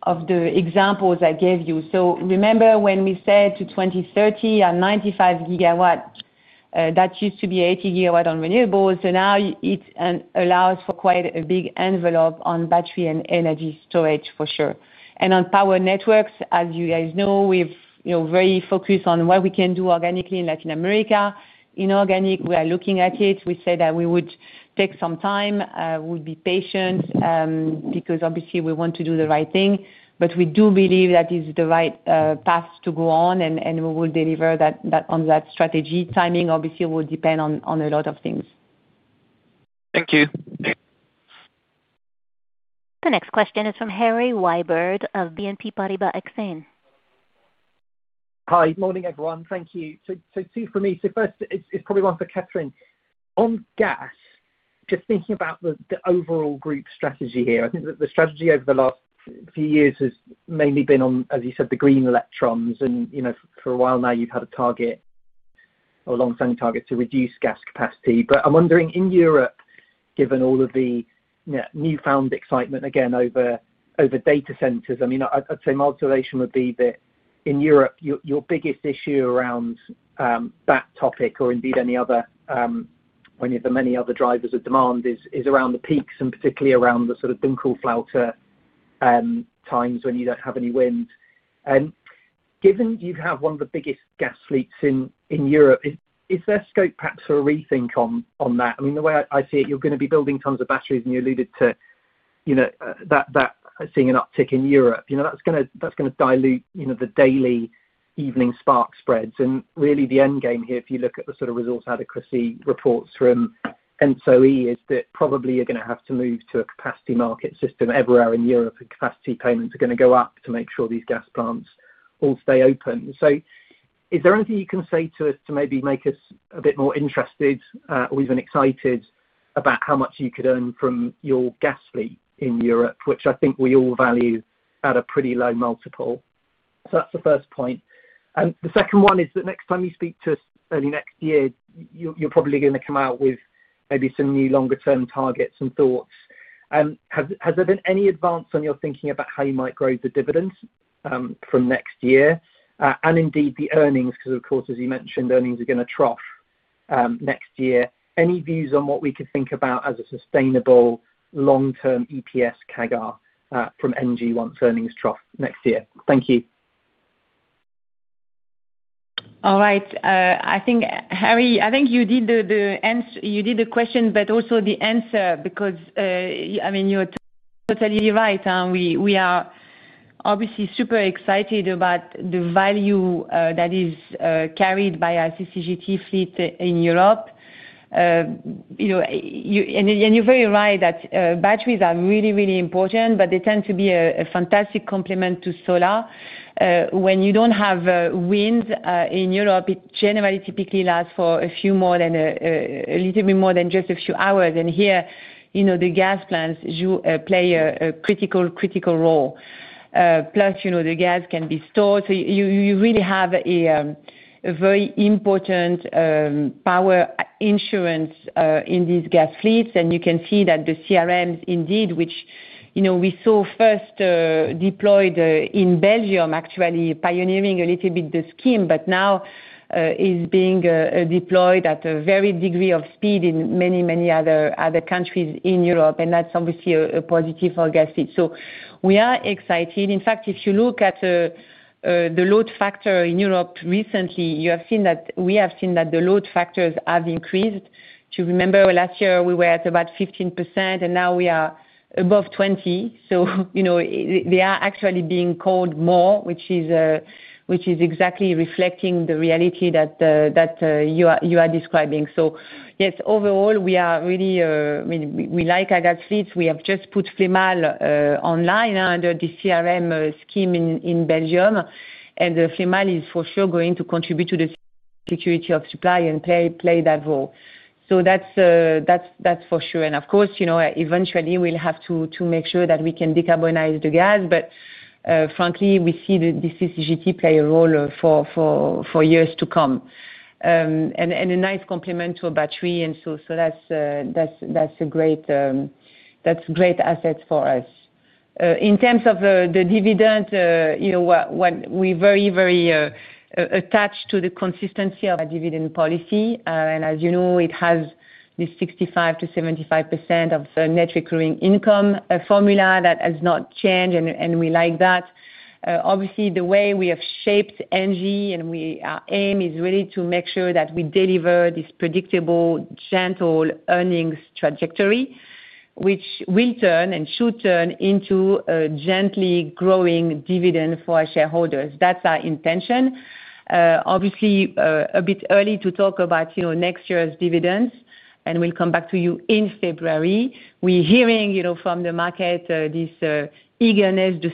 Examples I gave you. Remember when we said to 2030, our 95 GW, that used to be 80 GW on renewables. Now it allows for quite a big envelope on battery and energy storage, for sure. On power networks, as you guys know, we are very focused on what we can do organically in Latin America. Inorganic, we are looking at it. We said that we would take some time, would be patient, because obviously, we want to do the right thing. We do believe that is the right path to go on, and we will deliver on that strategy. Timing, obviously, will depend on a lot of things. Thank you. The next question is from Harry Wyburd of BNP Paribas Exane. Hi. Good morning, everyone. Thank you. Two for me. First, it is probably one for Catherine. On gas, just thinking about the overall group strategy here, I think that the strategy over the last few years has mainly been on, as you said, the green electrons. For a while now, you've had a target, or long-term target, to reduce gas capacity. I'm wondering, in Europe, given all of the newfound excitement, again, over data centers, I mean, I'd say my observation would be that in Europe, your biggest issue around that topic, or indeed any of the many other drivers of demand, is around the peaks and particularly around the sort of dunkelflaute, times when you don't have any wind. Given you have one of the biggest gas fleets in Europe, is there scope perhaps for a rethink on that? I mean, the way I see it, you're going to be building tons of batteries, and you alluded to. That seeing an uptick in Europe. That is going to dilute the daily evening spark spreads. Really, the end game here, if you look at the sort of resource adequacy reports from ENTSO-E, is that probably you are going to have to move to a capacity market system everywhere in Europe, and capacity payments are going to go up to make sure these gas plants all stay open. Is there anything you can say to us to maybe make us a bit more interested or even excited about how much you could earn from your gas fleet in Europe, which I think we all value at a pretty low multiple? That is the first point. The second one is that next time you speak to us early next year, you are probably going to come out with maybe some new longer-term targets and thoughts. Has there been any advance on your thinking about how you might grow the dividends from next year and indeed the earnings? Because, of course, as you mentioned, earnings are going to trough next year. Any views on what we could think about as a sustainable long-term EPS CAGR from ENGIE once earnings trough next year? Thank you. All right. I think, Harry, I think you did the question, but also the answer, because I mean, you're totally right. We are obviously super excited about the value that is carried by our CCGT fleet in Europe. You're very right that batteries are really, really important, but they tend to be a fantastic complement to solar. When you do not have wind in Europe, it generally typically lasts for a few more than a little bit more than just a few hours. Here, the gas plants play a critical role. Plus, the gas can be stored. You really have a very important power insurance in these gas fleets. You can see that the CRMs, indeed, which we saw first deployed in Belgium, actually pioneering a little bit the scheme, are now being deployed at a very high degree of speed in many, many other countries in Europe. That is obviously a positive for gas fleets. We are excited. In fact, if you look at the load factor in Europe recently, you have seen that the load factors have increased. To remember, last year, we were at about 15%, and now we are above 20%. They are actually being called more, which is exactly reflecting the reality that you are describing. Yes, overall, we are really, I mean, we like our gas fleets. We have just put Flémalle CCGT online, under the CRM scheme in Belgium. Flémalle is for sure going to contribute to the security of supply and play that role. That's for sure. Of course, eventually, we'll have to make sure that we can decarbonize the gas. Frankly, we see the CCGT play a role for years to come and a nice complement to a battery. That's a great asset for us. In terms of the dividend, we're very, very attached to the consistency of our dividend policy. As you know, it has this 65%-75% of net recurring income formula that has not changed, and we like that. Obviously, the way we have shaped ENGIE and our aim is really to make sure that we deliver this predictable, gentle earnings trajectory, which will turn and should turn into a gently growing dividend for our shareholders. That is our intention. Obviously, a bit early to talk about next year's dividends, and we will come back to you in February. We are hearing from the market this eagerness to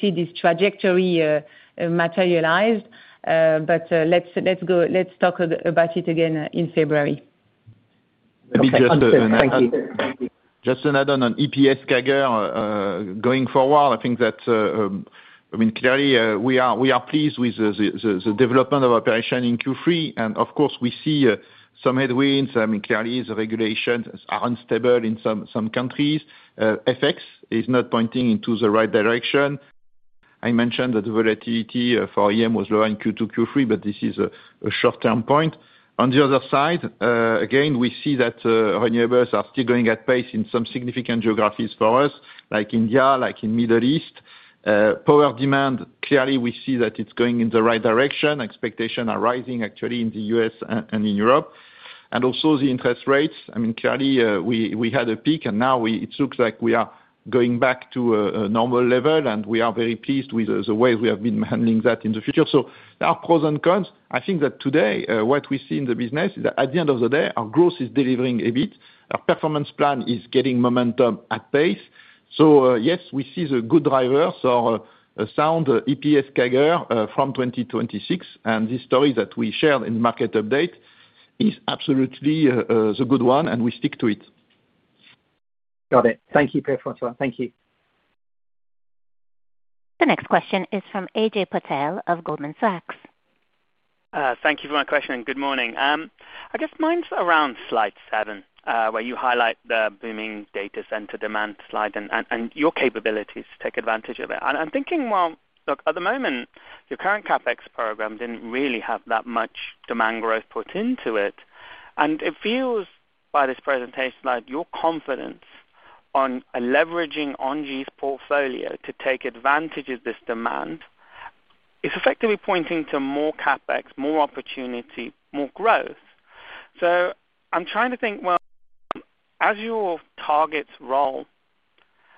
see this trajectory materialized. Let us talk about it again in February. Thank you. Just an add-on on EPS CAGR going forward. I think that, I mean, clearly, we are pleased with the development of operation in Q3. Of course, we see some headwinds. I mean, clearly, the regulations are unstable in some countries. FX is not pointing into the right direction. I mentioned that the volatility for EM was lower in Q2, Q3, but this is a short-term point. On the other side, again, we see that renewables are still going at pace in some significant geographies for us, like India, like in the Middle East. Power demand, clearly, we see that it's going in the right direction. Expectations are rising, actually, in the U.S. and in Europe. Also the interest rates. I mean, clearly, we had a peak, and now it looks like we are going back to a normal level, and we are very pleased with the way we have been handling that in the future. There are pros and cons. I think that today, what we see in the business is that at the end of the day, our growth is delivering a bit. Our performance plan is getting momentum at pace. Yes, we see the good drivers or sound EPS CAGR from 2026. This story that we shared in the market update is absolutely the good one, and we stick to it. Got it. Thank you for your thoughts. Thank you. The next question is from Ajay Patel of Goldman Sachs. Thank you for my question. Good morning. I guess mine's around slide seven, where you highlight the booming data center demand slide and your capabilities to take advantage of it. I'm thinking, at the moment, your current CapEx program did not really have that much demand growth put into it. It feels by this presentation that your confidence on leveraging ENGIE's portfolio to take advantage of this demand is effectively pointing to more CapEx, more opportunity, more growth. I'm trying to think, as your targets roll,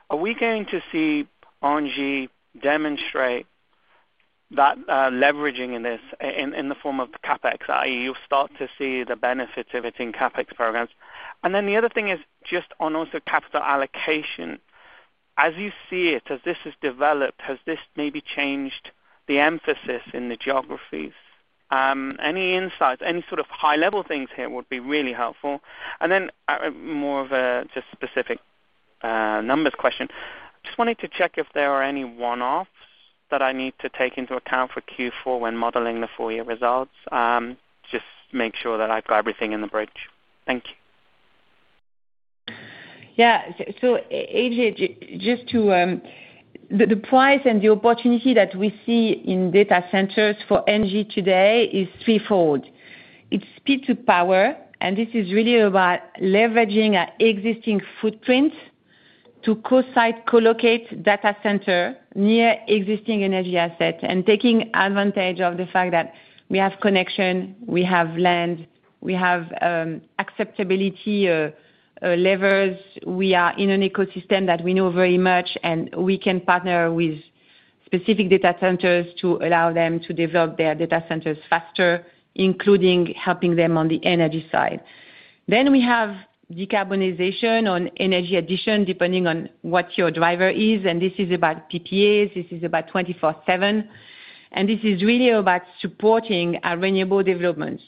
are we going to see ENGIE demonstrate. That leveraging in this in the form of CapEx, i.e., you'll start to see the benefits of it in CapEx programs? The other thing is just on also capital allocation. As you see it, as this has developed, has this maybe changed the emphasis in the geographies? Any insights, any sort of high-level things here would be really helpful. More of a just specific numbers question. I just wanted to check if there are any one-offs that I need to take into account for Q4 when modeling the full-year results. Just make sure that I've got everything in the breach. Thank you. Yeah. So Ajay, just to. The price and the opportunity that we see in data centers for ENGIE today is threefold. It's speed to power, and this is really about leveraging our existing footprint to co-site, co-locate data centers near existing energy assets and taking advantage of the fact that we have connection, we have land, we have acceptability levels. We are in an ecosystem that we know very much, and we can partner with specific data centers to allow them to develop their data centers faster, including helping them on the energy side. We have decarbonization on energy addition, depending on what your driver is. This is about PPAs. This is about 24/7. This is really about supporting our renewable developments.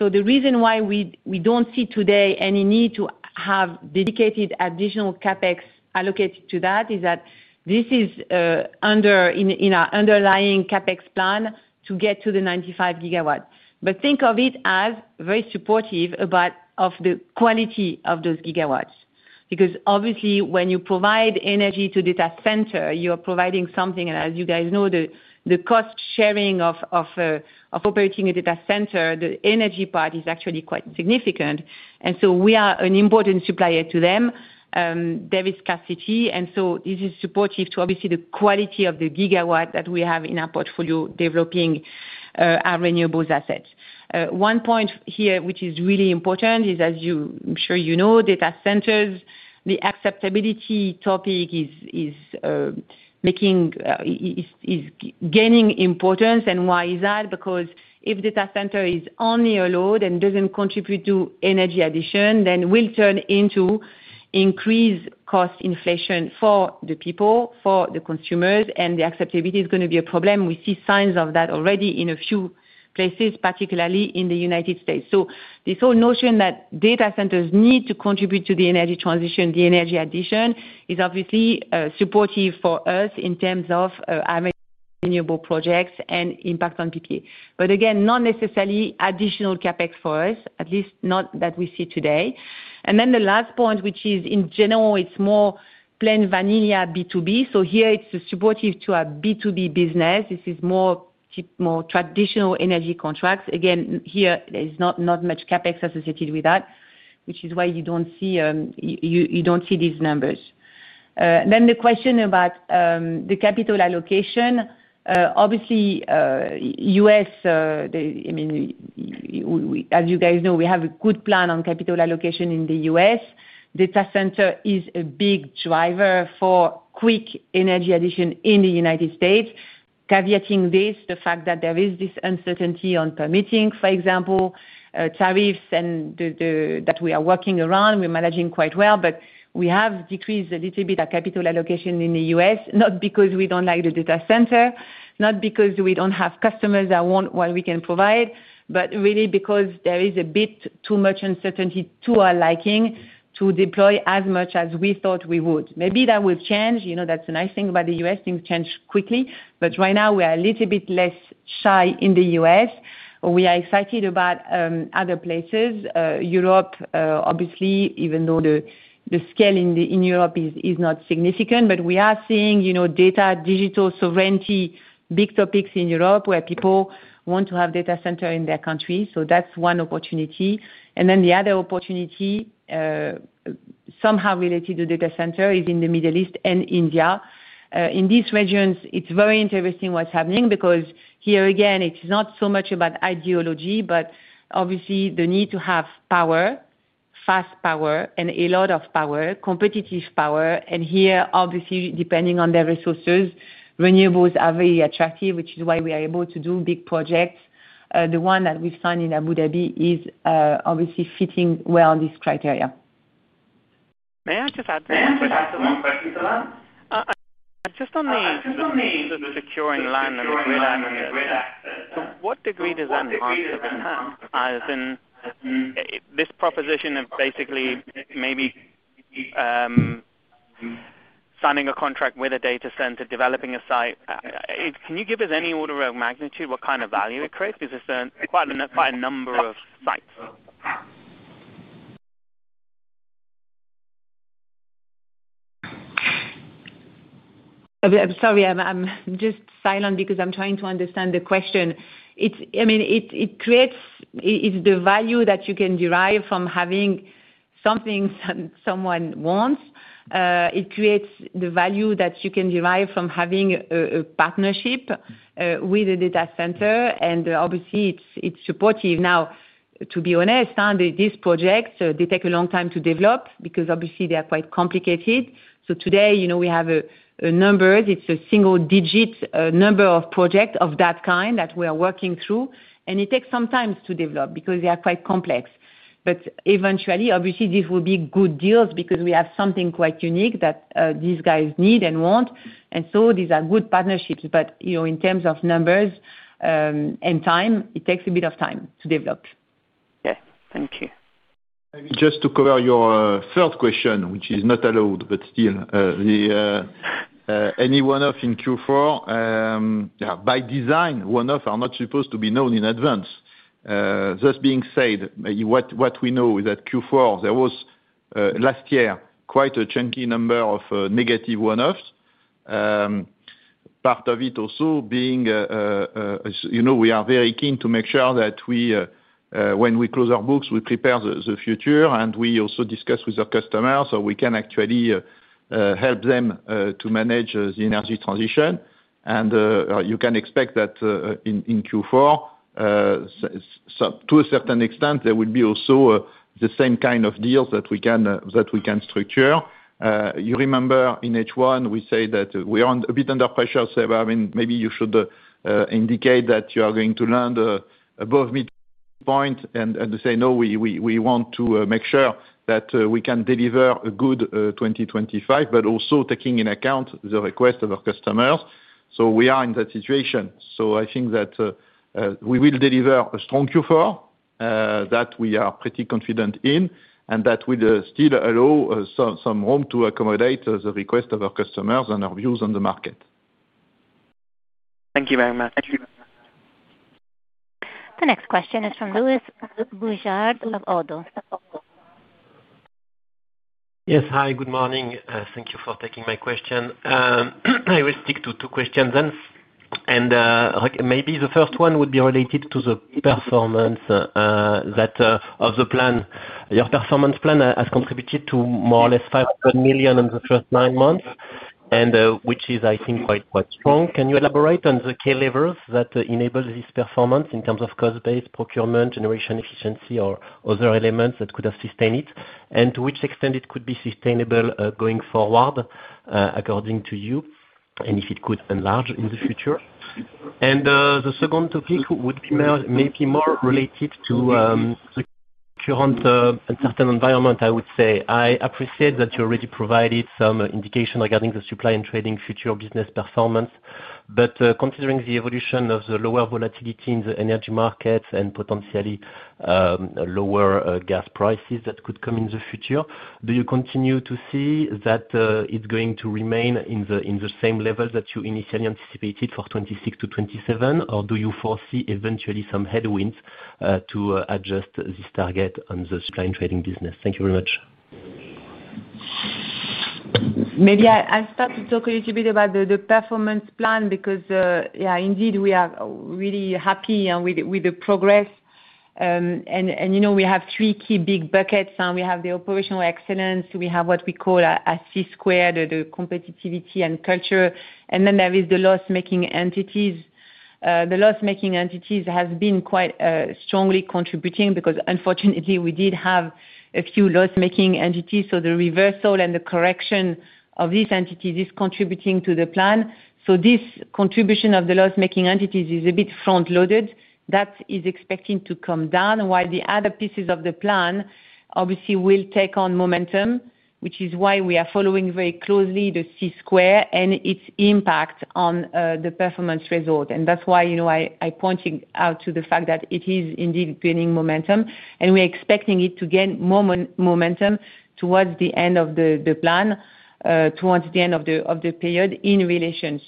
The reason why we do not see today any need to have dedicated additional CapEx allocated to that is that this is in our underlying CapEx plan to get to the 95 GW. Think of it as very supportive of the quality of those gigawatts. Because obviously, when you provide energy to a data center, you are providing something. As you guys know, the cost sharing of operating a data center, the energy part is actually quite significant. We are an important supplier to them, Davis Cassidy. This is supportive to, obviously, the quality of the gigawatt that we have in our portfolio developing our renewables assets. One point here, which is really important, is, as I am sure you know, data centers, the acceptability topic is gaining importance. Why is that? Because if a data center is only a load and does not contribute to energy addition, then it will turn into increased cost inflation for the people, for the consumers, and the acceptability is going to be a problem. We see signs of that already in a few places, particularly in the United States. This whole notion that data centers need to contribute to the energy transition, the energy addition, is obviously supportive for us in terms of our renewable projects and impact on PPA. Again, not necessarily additional CapEx for us, at least not that we see today. The last point, which is, in general, it's more plain vanilla B2B. Here, it's supportive to our B2B business. This is more traditional energy contracts. Again, here, there's not much CapEx associated with that, which is why you don't see these numbers. The question about the capital allocation. Obviously, U.S. I mean, as you guys know, we have a good plan on capital allocation in the U.S. Data center is a big driver for quick energy addition in the United States. Caveating this, the fact that there is this uncertainty on permitting, for example, tariffs and. That we are working around, we're managing quite well, but we have decreased a little bit our capital allocation in the U.S., not because we don't like the data center, not because we don't have customers that want what we can provide, but really because there is a bit too much uncertainty to our liking to deploy as much as we thought we would. Maybe that will change. That's a nice thing about the U.S. Things change quickly. Right now, we are a little bit less shy in the U.S. We are excited about other places, Europe, obviously, even though the scale in Europe is not significant. We are seeing data, digital sovereignty, big topics in Europe where people want to have data centers in their country. That is one opportunity. The other opportunity, somehow related to data centers, is in the Middle East and India. In these regions, it's very interesting what's happening because here, again, it's not so much about ideology, but obviously the need to have power, fast power, and a lot of power, competitive power. Here, obviously, depending on their resources, renewables are very attractive, which is why we are able to do big projects. The one that we've signed in Abu Dhabi is obviously fitting well on this criteria. May I just add one question to that? Just on the securing land and the grid access. To what degree does that harm the business? As in, this proposition of basically maybe signing a contract with a data center, developing a site, can you give us any order of magnitude what kind of value it creates? Because there's quite a number of sites. Sorry, I'm just silent because I'm trying to understand the question. I mean, it. Creates the value that you can derive from having something someone wants. It creates the value that you can derive from having a partnership with a data center. Obviously, it's supportive. Now, to be honest, these projects, they take a long time to develop because obviously, they are quite complicated. Today, we have numbers. It's a single-digit number of projects of that kind that we are working through. It takes some time to develop because they are quite complex. Eventually, obviously, these will be good deals because we have something quite unique that these guys need and want. These are good partnerships. In terms of numbers and time, it takes a bit of time to develop. Yes. Thank you. Just to cover your third question, which is not allowed, but still. Any one-off in Q4?By design, one-offs are not supposed to be known in advance. This being said, what we know is that Q4, there was. Last year, quite a chunky number of negative one-offs. Part of it also being. We are very keen to make sure that. When we close our books, we prepare the future, and we also discuss with our customers so we can actually. Help them to manage the energy transition. You can expect that. In Q4. To a certain extent, there will be also the same kind of deals that we can structure. You remember in H1, we said that we are a bit under pressure. Maybe you should indicate that you are going to land above midpoint and say, "No, we want to make sure that we can deliver a good 2025," but also taking into account the request of our customers. We are in that situation. I think that we will deliver a strong Q4 that we are pretty confident in, and that will still allow some room to accommodate the request of our customers and our views on the market. Thank you very much. Thank you very much. The next question is from Louis Bourjard of ODDO. Yes. Hi. Good morning. Thank you for taking my question. I will stick to two questions then. Maybe the first one would be related to the performance of the plan. Your performance plan has contributed to more or less 500 million in the first nine months, which is, I think, quite strong. Can you elaborate on the key levers that enable this performance in terms of cost-based procurement, generation efficiency, or other elements that could have sustained it, and to which extent it could be sustainable going forward. According to you, and if it could enlarge in the future? The second topic would be maybe more related to the current uncertain environment, I would say. I appreciate that you already provided some indication regarding the supply and trading future business performance. Considering the evolution of the lower volatility in the energy markets and potentially lower gas prices that could come in the future, do you continue to see that it's going to remain in the same level that you initially anticipated for 2026-2027, or do you foresee eventually some headwinds to adjust this target on the supply and trading business? Thank you very much. Maybe I'll start to talk a little bit about the performance plan because, yeah, indeed, we are really happy with the progress. We have three key big buckets. We have the operational excellence. We have what we call a C-Square, the competitivity and culture. Then there is the loss-making entities. The loss-making entities have been quite strongly contributing because, unfortunately, we did have a few loss-making entities. The reversal and the correction of these entities is contributing to the plan. This contribution of the loss-making entities is a bit front-loaded. That is expecting to come down, while the other pieces of the plan, obviously, will take on momentum, which is why we are following very closely the C-Square and its impact on the performance result. That is why I pointed out to the fact that it is indeed gaining momentum. We are expecting it to gain more momentum towards the end of the plan, towards the end of the period in relation.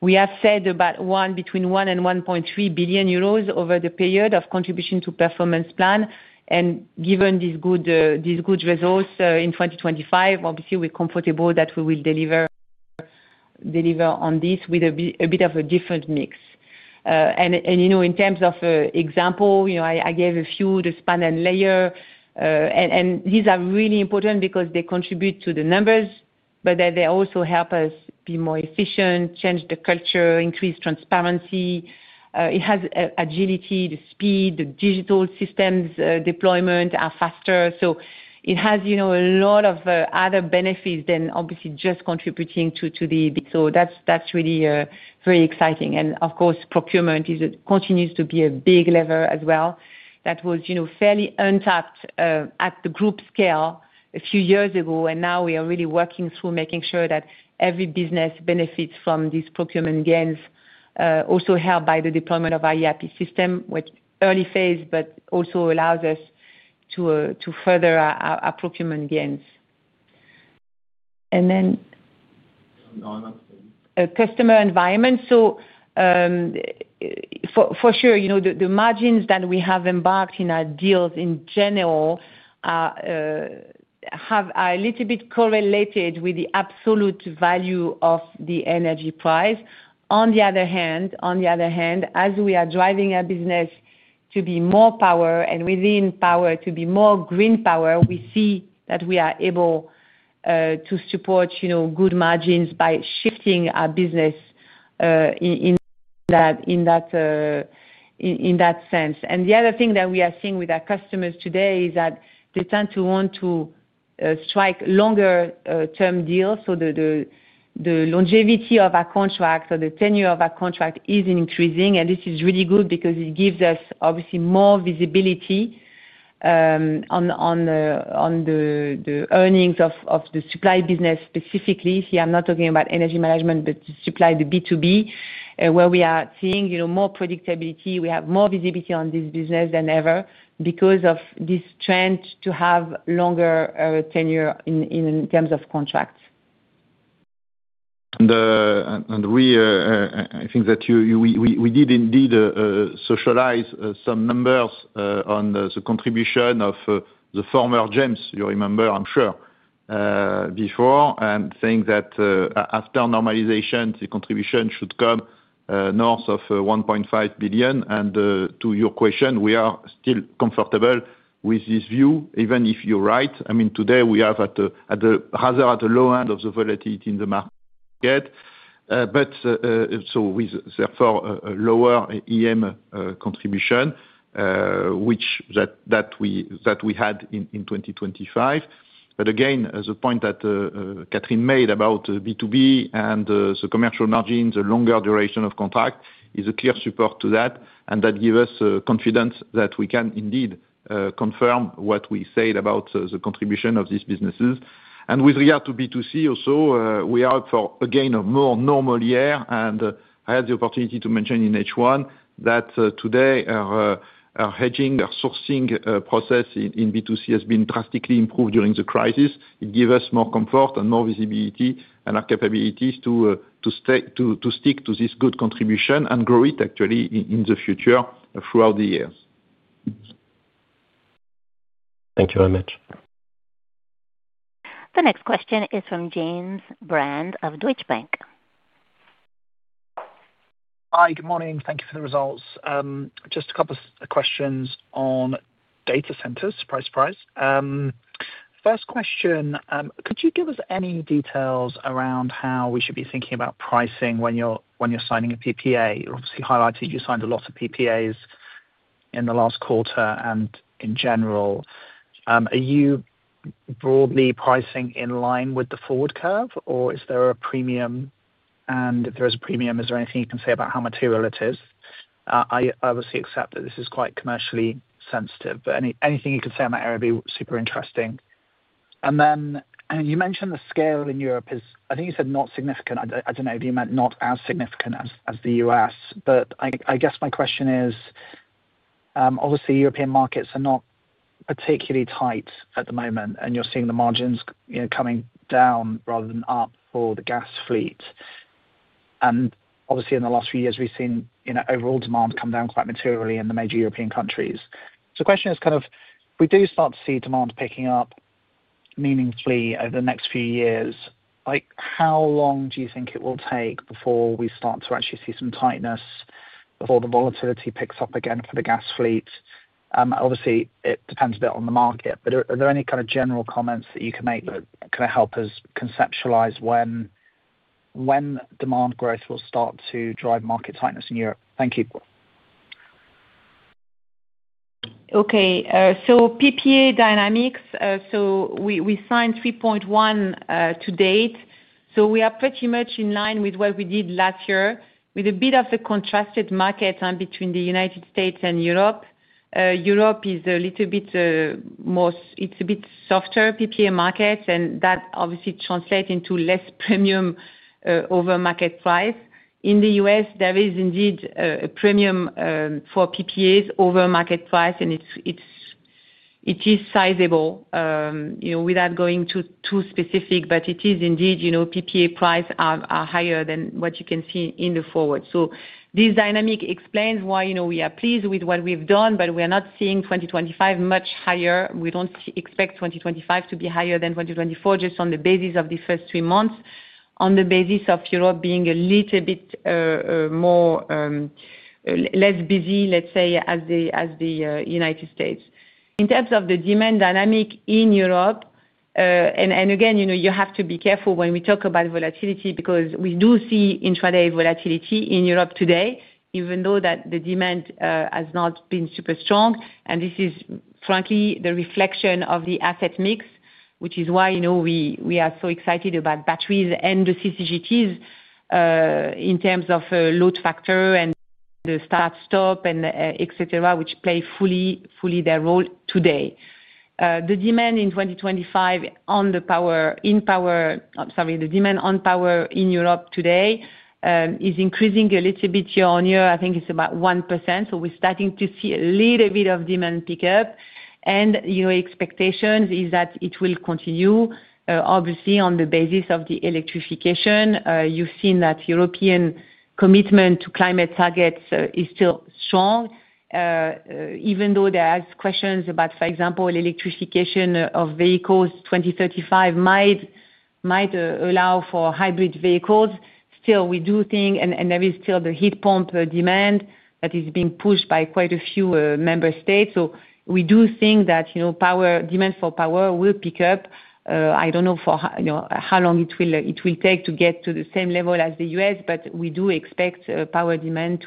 We have said between 1 billion and 1.3 billion euros over the period of contribution to performance plan. Given these good results in 2025, obviously, we're comfortable that we will deliver on this with a bit of a different mix. In terms of example, I gave a few, the span and layer. These are really important because they contribute to the numbers, but they also help us be more efficient, change the culture, increase transparency. It has agility, the speed, the digital systems deployment are faster. It has a lot of other benefits than, obviously, just contributing to the performance. That's really very exciting. Of course, procurement continues to be a big lever as well. That was fairly untapped at the group scale a few years ago. We are really working through making sure that every business benefits from these procurement gains, also helped by the deployment of our ERP system, which is early phase, but also allows us to further our procurement gains. Customer environment. For sure, the margins that we have embarked in our deals in general are a little bit correlated with the absolute value of the energy price. On the other hand, as we are driving our business to be more power and within power to be more green power, we see that we are able to support good margins by shifting our business in that sense. The other thing that we are seeing with our customers today is that they tend to want to strike longer-term deals. The longevity of our contract or the tenure of our contract is increasing. This is really good because it gives us, obviously, more visibility on the earnings of the supply business specifically. Here, I'm not talking about energy management, but supply, the B2B, where we are seeing more predictability. We have more visibility on this business than ever because of this trend to have longer tenure in terms of contracts. I think that we did indeed socialize some numbers on the contribution of the former GEMS, you remember, I'm sure, before, and saying that after normalization, the contribution should come north of 1.5 billion. To your question, we are still comfortable with this view, even if you're right. I mean, today, we are rather at the low end of the volatility in the market, with therefore a lower EM contribution than we had in 2025. Again, the point that Catherine made about B2B and the commercial margins, the longer duration of contract is a clear support to that. That gives us confidence that we can indeed confirm what we said about the contribution of these businesses. With regard to B2C also, we are for, again, a more normal year. I had the opportunity to mention in H1 that today our hedging, our sourcing process in B2C has been drastically improved during the crisis. It gives us more comfort and more visibility and our capabilities to stick to this good contribution and grow it, actually, in the future throughout the years. Thank you very much. The next question is from James Brand of Deutsche Bank. Hi. Good morning. Thank you for the results. Just a couple of questions on data centers, price-wise. First question, could you give us any details around how we should be thinking about pricing when you're signing a PPA? You obviously highlighted you signed a lot of PPAs in the last quarter and in general. Are you broadly pricing in line with the forward curve, or is there a premium? If there is a premium, is there anything you can say about how material it is? I obviously accept that this is quite commercially sensitive. Anything you could say on that area would be super interesting. You mentioned the scale in Europe is, I think you said not significant. I do not know if you meant not as significant as the U.S. I guess my question is, obviously, European markets are not particularly tight at the moment, and you're seeing the margins coming down rather than up for the gas fleet. Obviously, in the last few years, we have seen overall demand come down quite materially in the major European countries. The question is, if we do start to see demand picking up meaningfully over the next few years, how long do you think it will take before we start to actually see some tightness, before the volatility picks up again for the gas fleet? Obviously, it depends a bit on the market. Are there any kind of general comments that you can make that help us conceptualize when demand growth will start to drive market tightness in Europe? Thank you. Okay. PPA dynamics, we signed 3.1 GW to date. We are pretty much in line with what we did last year with a bit of a contrasted market between the United States and Europe. Europe is a little bit. Softer PPA market, and that obviously translates into less premium over market price. In the U.S., there is indeed a premium for PPAs over market price, and it is sizable. Without going too specific, but it is indeed PPA prices are higher than what you can see in the forward. This dynamic explains why we are pleased with what we've done, but we are not seeing 2025 much higher. We do not expect 2025 to be higher than 2024 just on the basis of the first three months, on the basis of Europe being a little bit less busy, let's say, as the United States in terms of the demand dynamic in Europe. Again, you have to be careful when we talk about volatility because we do see intraday volatility in Europe today, even though the demand has not been super strong. This is, frankly, the reflection of the asset mix, which is why we are so excited about batteries and the CCGTs. In terms of load factor and the start-stop, etc., which play fully their role today. The demand in 2025. In power—sorry, the demand on power in Europe today is increasing a little bit year on year. I think it's about 1%. We're starting to see a little bit of demand pick up. The expectation is that it will continue, obviously, on the basis of the electrification. You've seen that European commitment to climate targets is still strong. Even though there are questions about, for example, electrification of vehicles, 2035 might allow for hybrid vehicles. Still, we do think, and there is still the heat pump demand that is being pushed by quite a few member states. We do think that. Demand for power will pick up. I don't know for how long it will take to get to the same level as the U.S., but we do expect power demand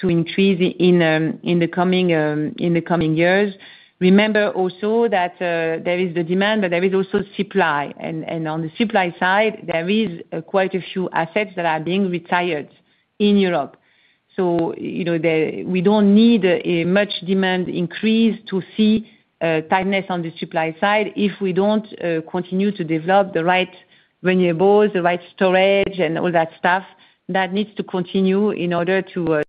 to increase in the coming years. Remember also that there is the demand, but there is also supply. On the supply side, there are quite a few assets that are being retired in Europe. We don't need a much demand increase to see tightness on the supply side if we don't continue to develop the right renewables, the right storage, and all that stuff that needs to continue in order to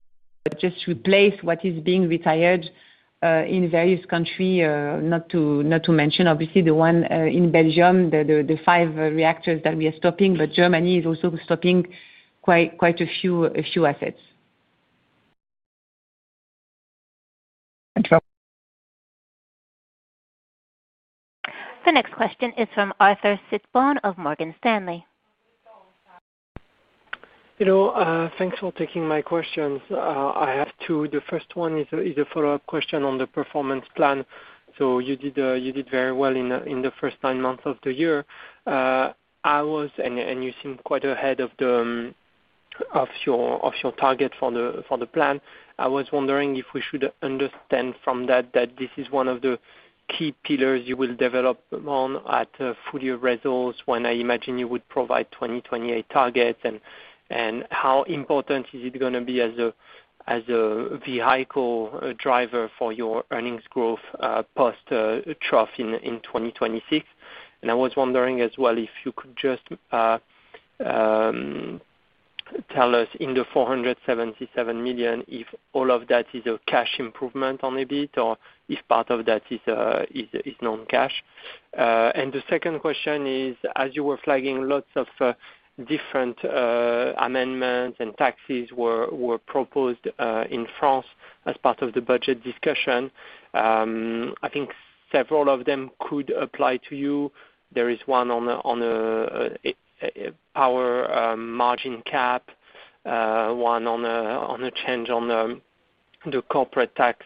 just replace what is being retired. In various countries, not to mention, obviously, the one in Belgium, the five reactors that we are stopping. Germany is also stopping quite a few assets. Thank you. The next question is from Arthur Sitbon of Morgan Stanley. Thanks for taking my questions. I have two. The first one is a follow-up question on the performance plan. You did very well in the first nine months of the year. You seem quite ahead of your target for the plan. I was wondering if we should understand from that that this is one of the key pillars you will develop on at full-year results when I imagine you would provide 2028 targets. How important is it going to be as a vehicle driver for your earnings growth post-shelf in 2026? I was wondering as well if you could just tell us in the 477 million if all of that is a cash improvement on EBITDA or if part of that is non-cash. The second question is, as you were flagging, lots of different. Amendments and taxes were proposed in France as part of the budget discussion. I think several of them could apply to you. There is one on a power margin cap, one on a change on the corporate tax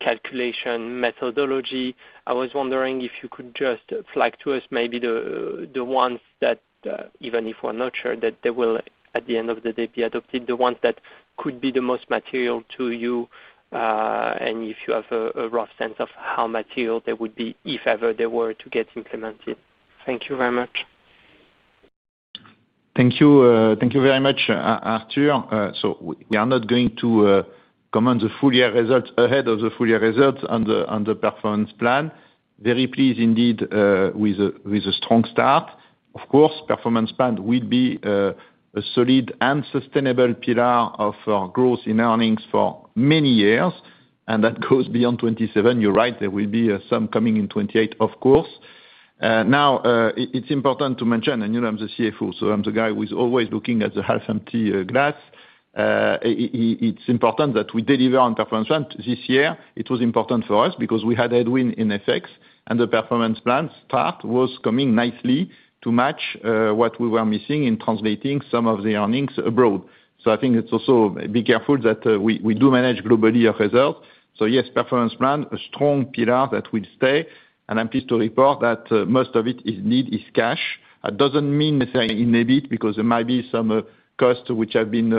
calculation methodology. I was wondering if you could just flag to us maybe the ones that, even if we're not sure that they will, at the end of the day, be adopted, the ones that could be the most material to you. And if you have a rough sense of how material they would be, if ever they were to get implemented. Thank you very much. Thank you. Thank you very much, Arthur. We are not going to comment on the full-year results ahead of the full-year results on the performance plan. Very pleased indeed with a strong start. Of course, performance plan will be a solid and sustainable pillar of our growth in earnings for many years. That goes beyond 2027. You're right. There will be some coming in 2028, of course. Now, it's important to mention, and you know I'm the CFO, so I'm the guy who is always looking at the half-empty glass. It's important that we deliver on performance plan. This year, it was important for us because we had headwind in effects, and the performance plan start was coming nicely to match what we were missing in translating some of the earnings abroad. I think it's also be careful that we do manage globally our results. Yes, performance plan, a strong pillar that will stay. I'm pleased to report that most of it indeed is cash. That does not mean necessarily in EBIT because there might be some costs which have been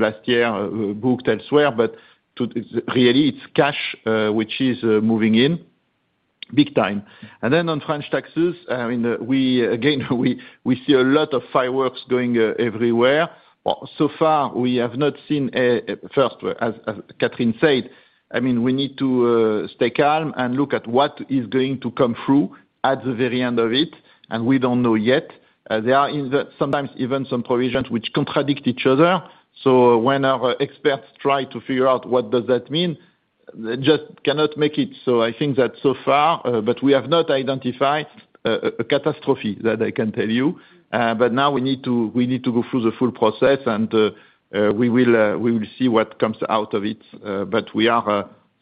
last year booked elsewhere. But really, it is cash which is moving in. Big time. On French taxes, I mean, again, we see a lot of fireworks going everywhere. So far, we have not seen, first, as Catherine said, I mean, we need to stay calm and look at what is going to come through at the very end of it. We do not know yet. There are sometimes even some provisions which contradict each other. When our experts try to figure out what does that mean, they just cannot make it. I think that so far, we have not identified a catastrophe that I can tell you. Now we need to go through the full process, and we will see what comes out of it.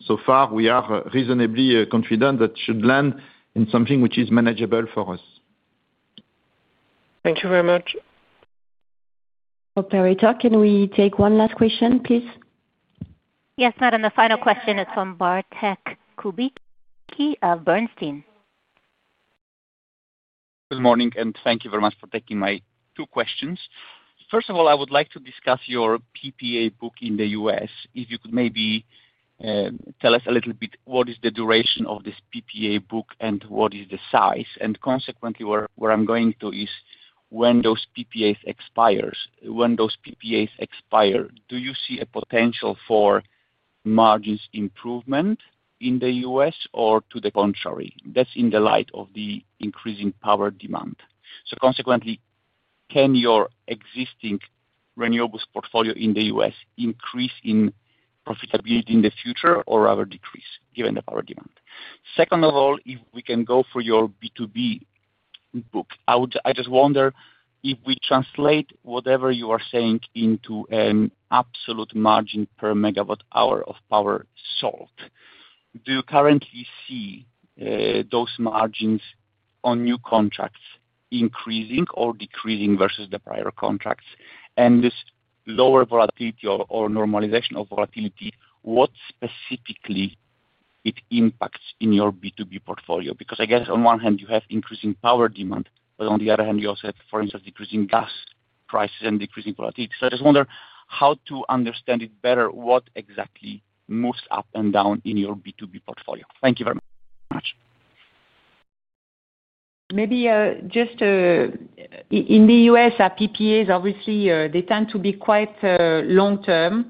So far, we are reasonably confident that it should land in something which is manageable for us. Thank you very much. Perrito, can we take one last question, please? Yes, Madam, the final question is from Bartlomiej Kubicki of Bernstein. Good morning, and thank you very much for taking my two questions. First of all, I would like to discuss your PPA book in the U.S. If you could maybe tell us a little bit what is the duration of this PPA book and what is the size. Consequently, where I am going to is when those PPAs expire. When those PPAs expire, do you see a potential for margins improvement in the U.S. or to the contrary? That is in the light of the increasing power demand. Consequently, can your existing renewables portfolio in the U.S. increase in profitability in the future or rather decrease given the power demand? Second of all, if we can go for your B2B book, I just wonder if we translate whatever you are saying into an absolute margin per megawatt hour of power sold. Do you currently see those margins on new contracts increasing or decreasing versus the prior contracts? And this lower volatility or normalization of volatility, what specifically does it impact in your B2B portfolio? Because I guess on one hand, you have increasing power demand, but on the other hand, you also have, for instance, decreasing gas prices and decreasing volatility. I just wonder how to understand it better, what exactly moves up and down in your B2B portfolio. Thank you very much. Maybe just in the U.S., PPAs, obviously, they tend to be quite long-term.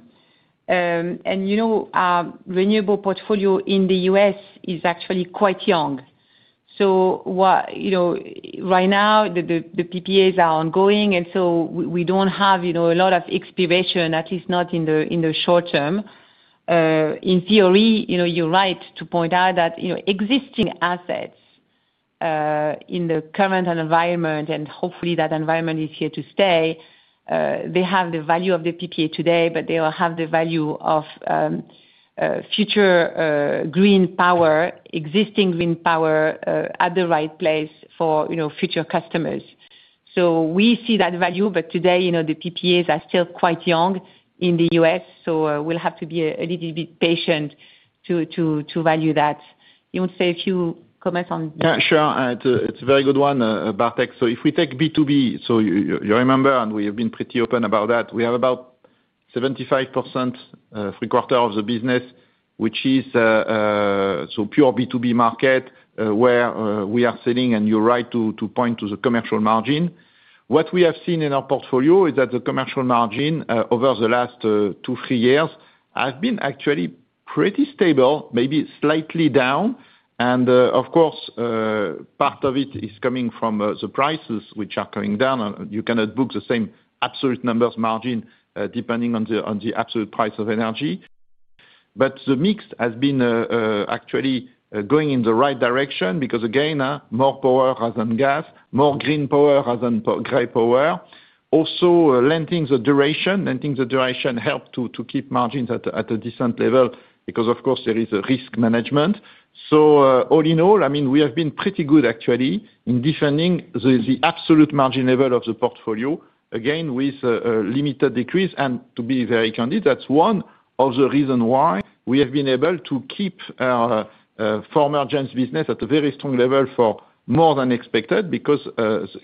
Renewable portfolio in the U.S. is actually quite young. Right now, the PPAs are ongoing, and we do not have a lot of expiration, at least not in the short term. In theory, you are right to point out that existing assets, in the current environment, and hopefully that environment is here to stay, they have the value of the PPA today, but they will have the value of future green power, existing green power at the right place for future customers. We see that value, but today, the PPAs are still quite young in the U.S., so we will have to be a little bit patient to value that. You want to say a few comments on— Sure. It is a very good one, Bartek. If we take B2B, you remember, and we have been pretty open about that, we have about 75% three-quarters of the business, which is. So pure B2B market where we are selling, and you're right to point to the commercial margin. What we have seen in our portfolio is that the commercial margin over the last two, three years has been actually pretty stable, maybe slightly down. Of course, part of it is coming from the prices which are coming down. You cannot book the same absolute numbers margin depending on the absolute price of energy. The mix has been actually going in the right direction because, again, more power rather than gas, more green power rather than grey power. Also, lengthening the duration. Lengthening the duration helps to keep margins at a decent level because, of course, there is risk management. All in all, I mean, we have been pretty good actually in defending the absolute margin level of the portfolio, again, with limited decrease. To be very candid, that's one of the reasons why we have been able to keep our former GEMS business at a very strong level for more than expected because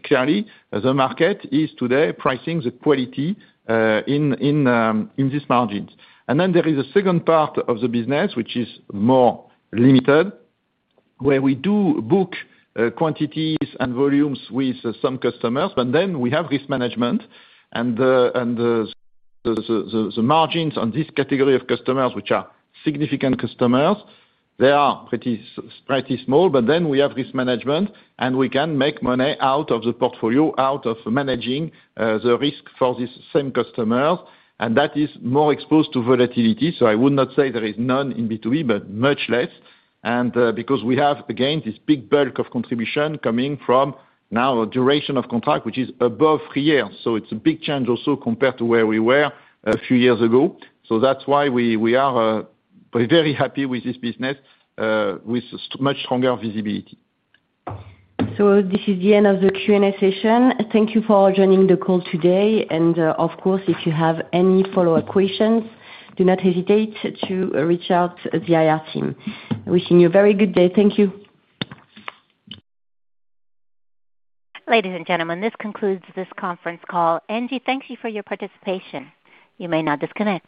clearly, the market is today pricing the quality in these margins. There is a second part of the business which is more limited, where we do book quantities and volumes with some customers. We have risk management. The margins on this category of customers, which are significant customers, are pretty small. We have risk management, and we can make money out of the portfolio, out of managing the risk for these same customers. That is more exposed to volatility. I would not say there is none in B2B, but much less. And because we have, again, this big bulk of contribution coming from now a duration of contract which is above three years. It is a big change also compared to where we were a few years ago. That is why we are very happy with this business, with much stronger visibility. This is the end of the Q&A session. Thank you for joining the call today. Of course, if you have any follow-up questions, do not hesitate to reach out to the IR team. Wishing you a very good day. Thank you. Ladies and gentlemen, this concludes this conference call. ENGIE, thank you for your participation. You may now disconnect.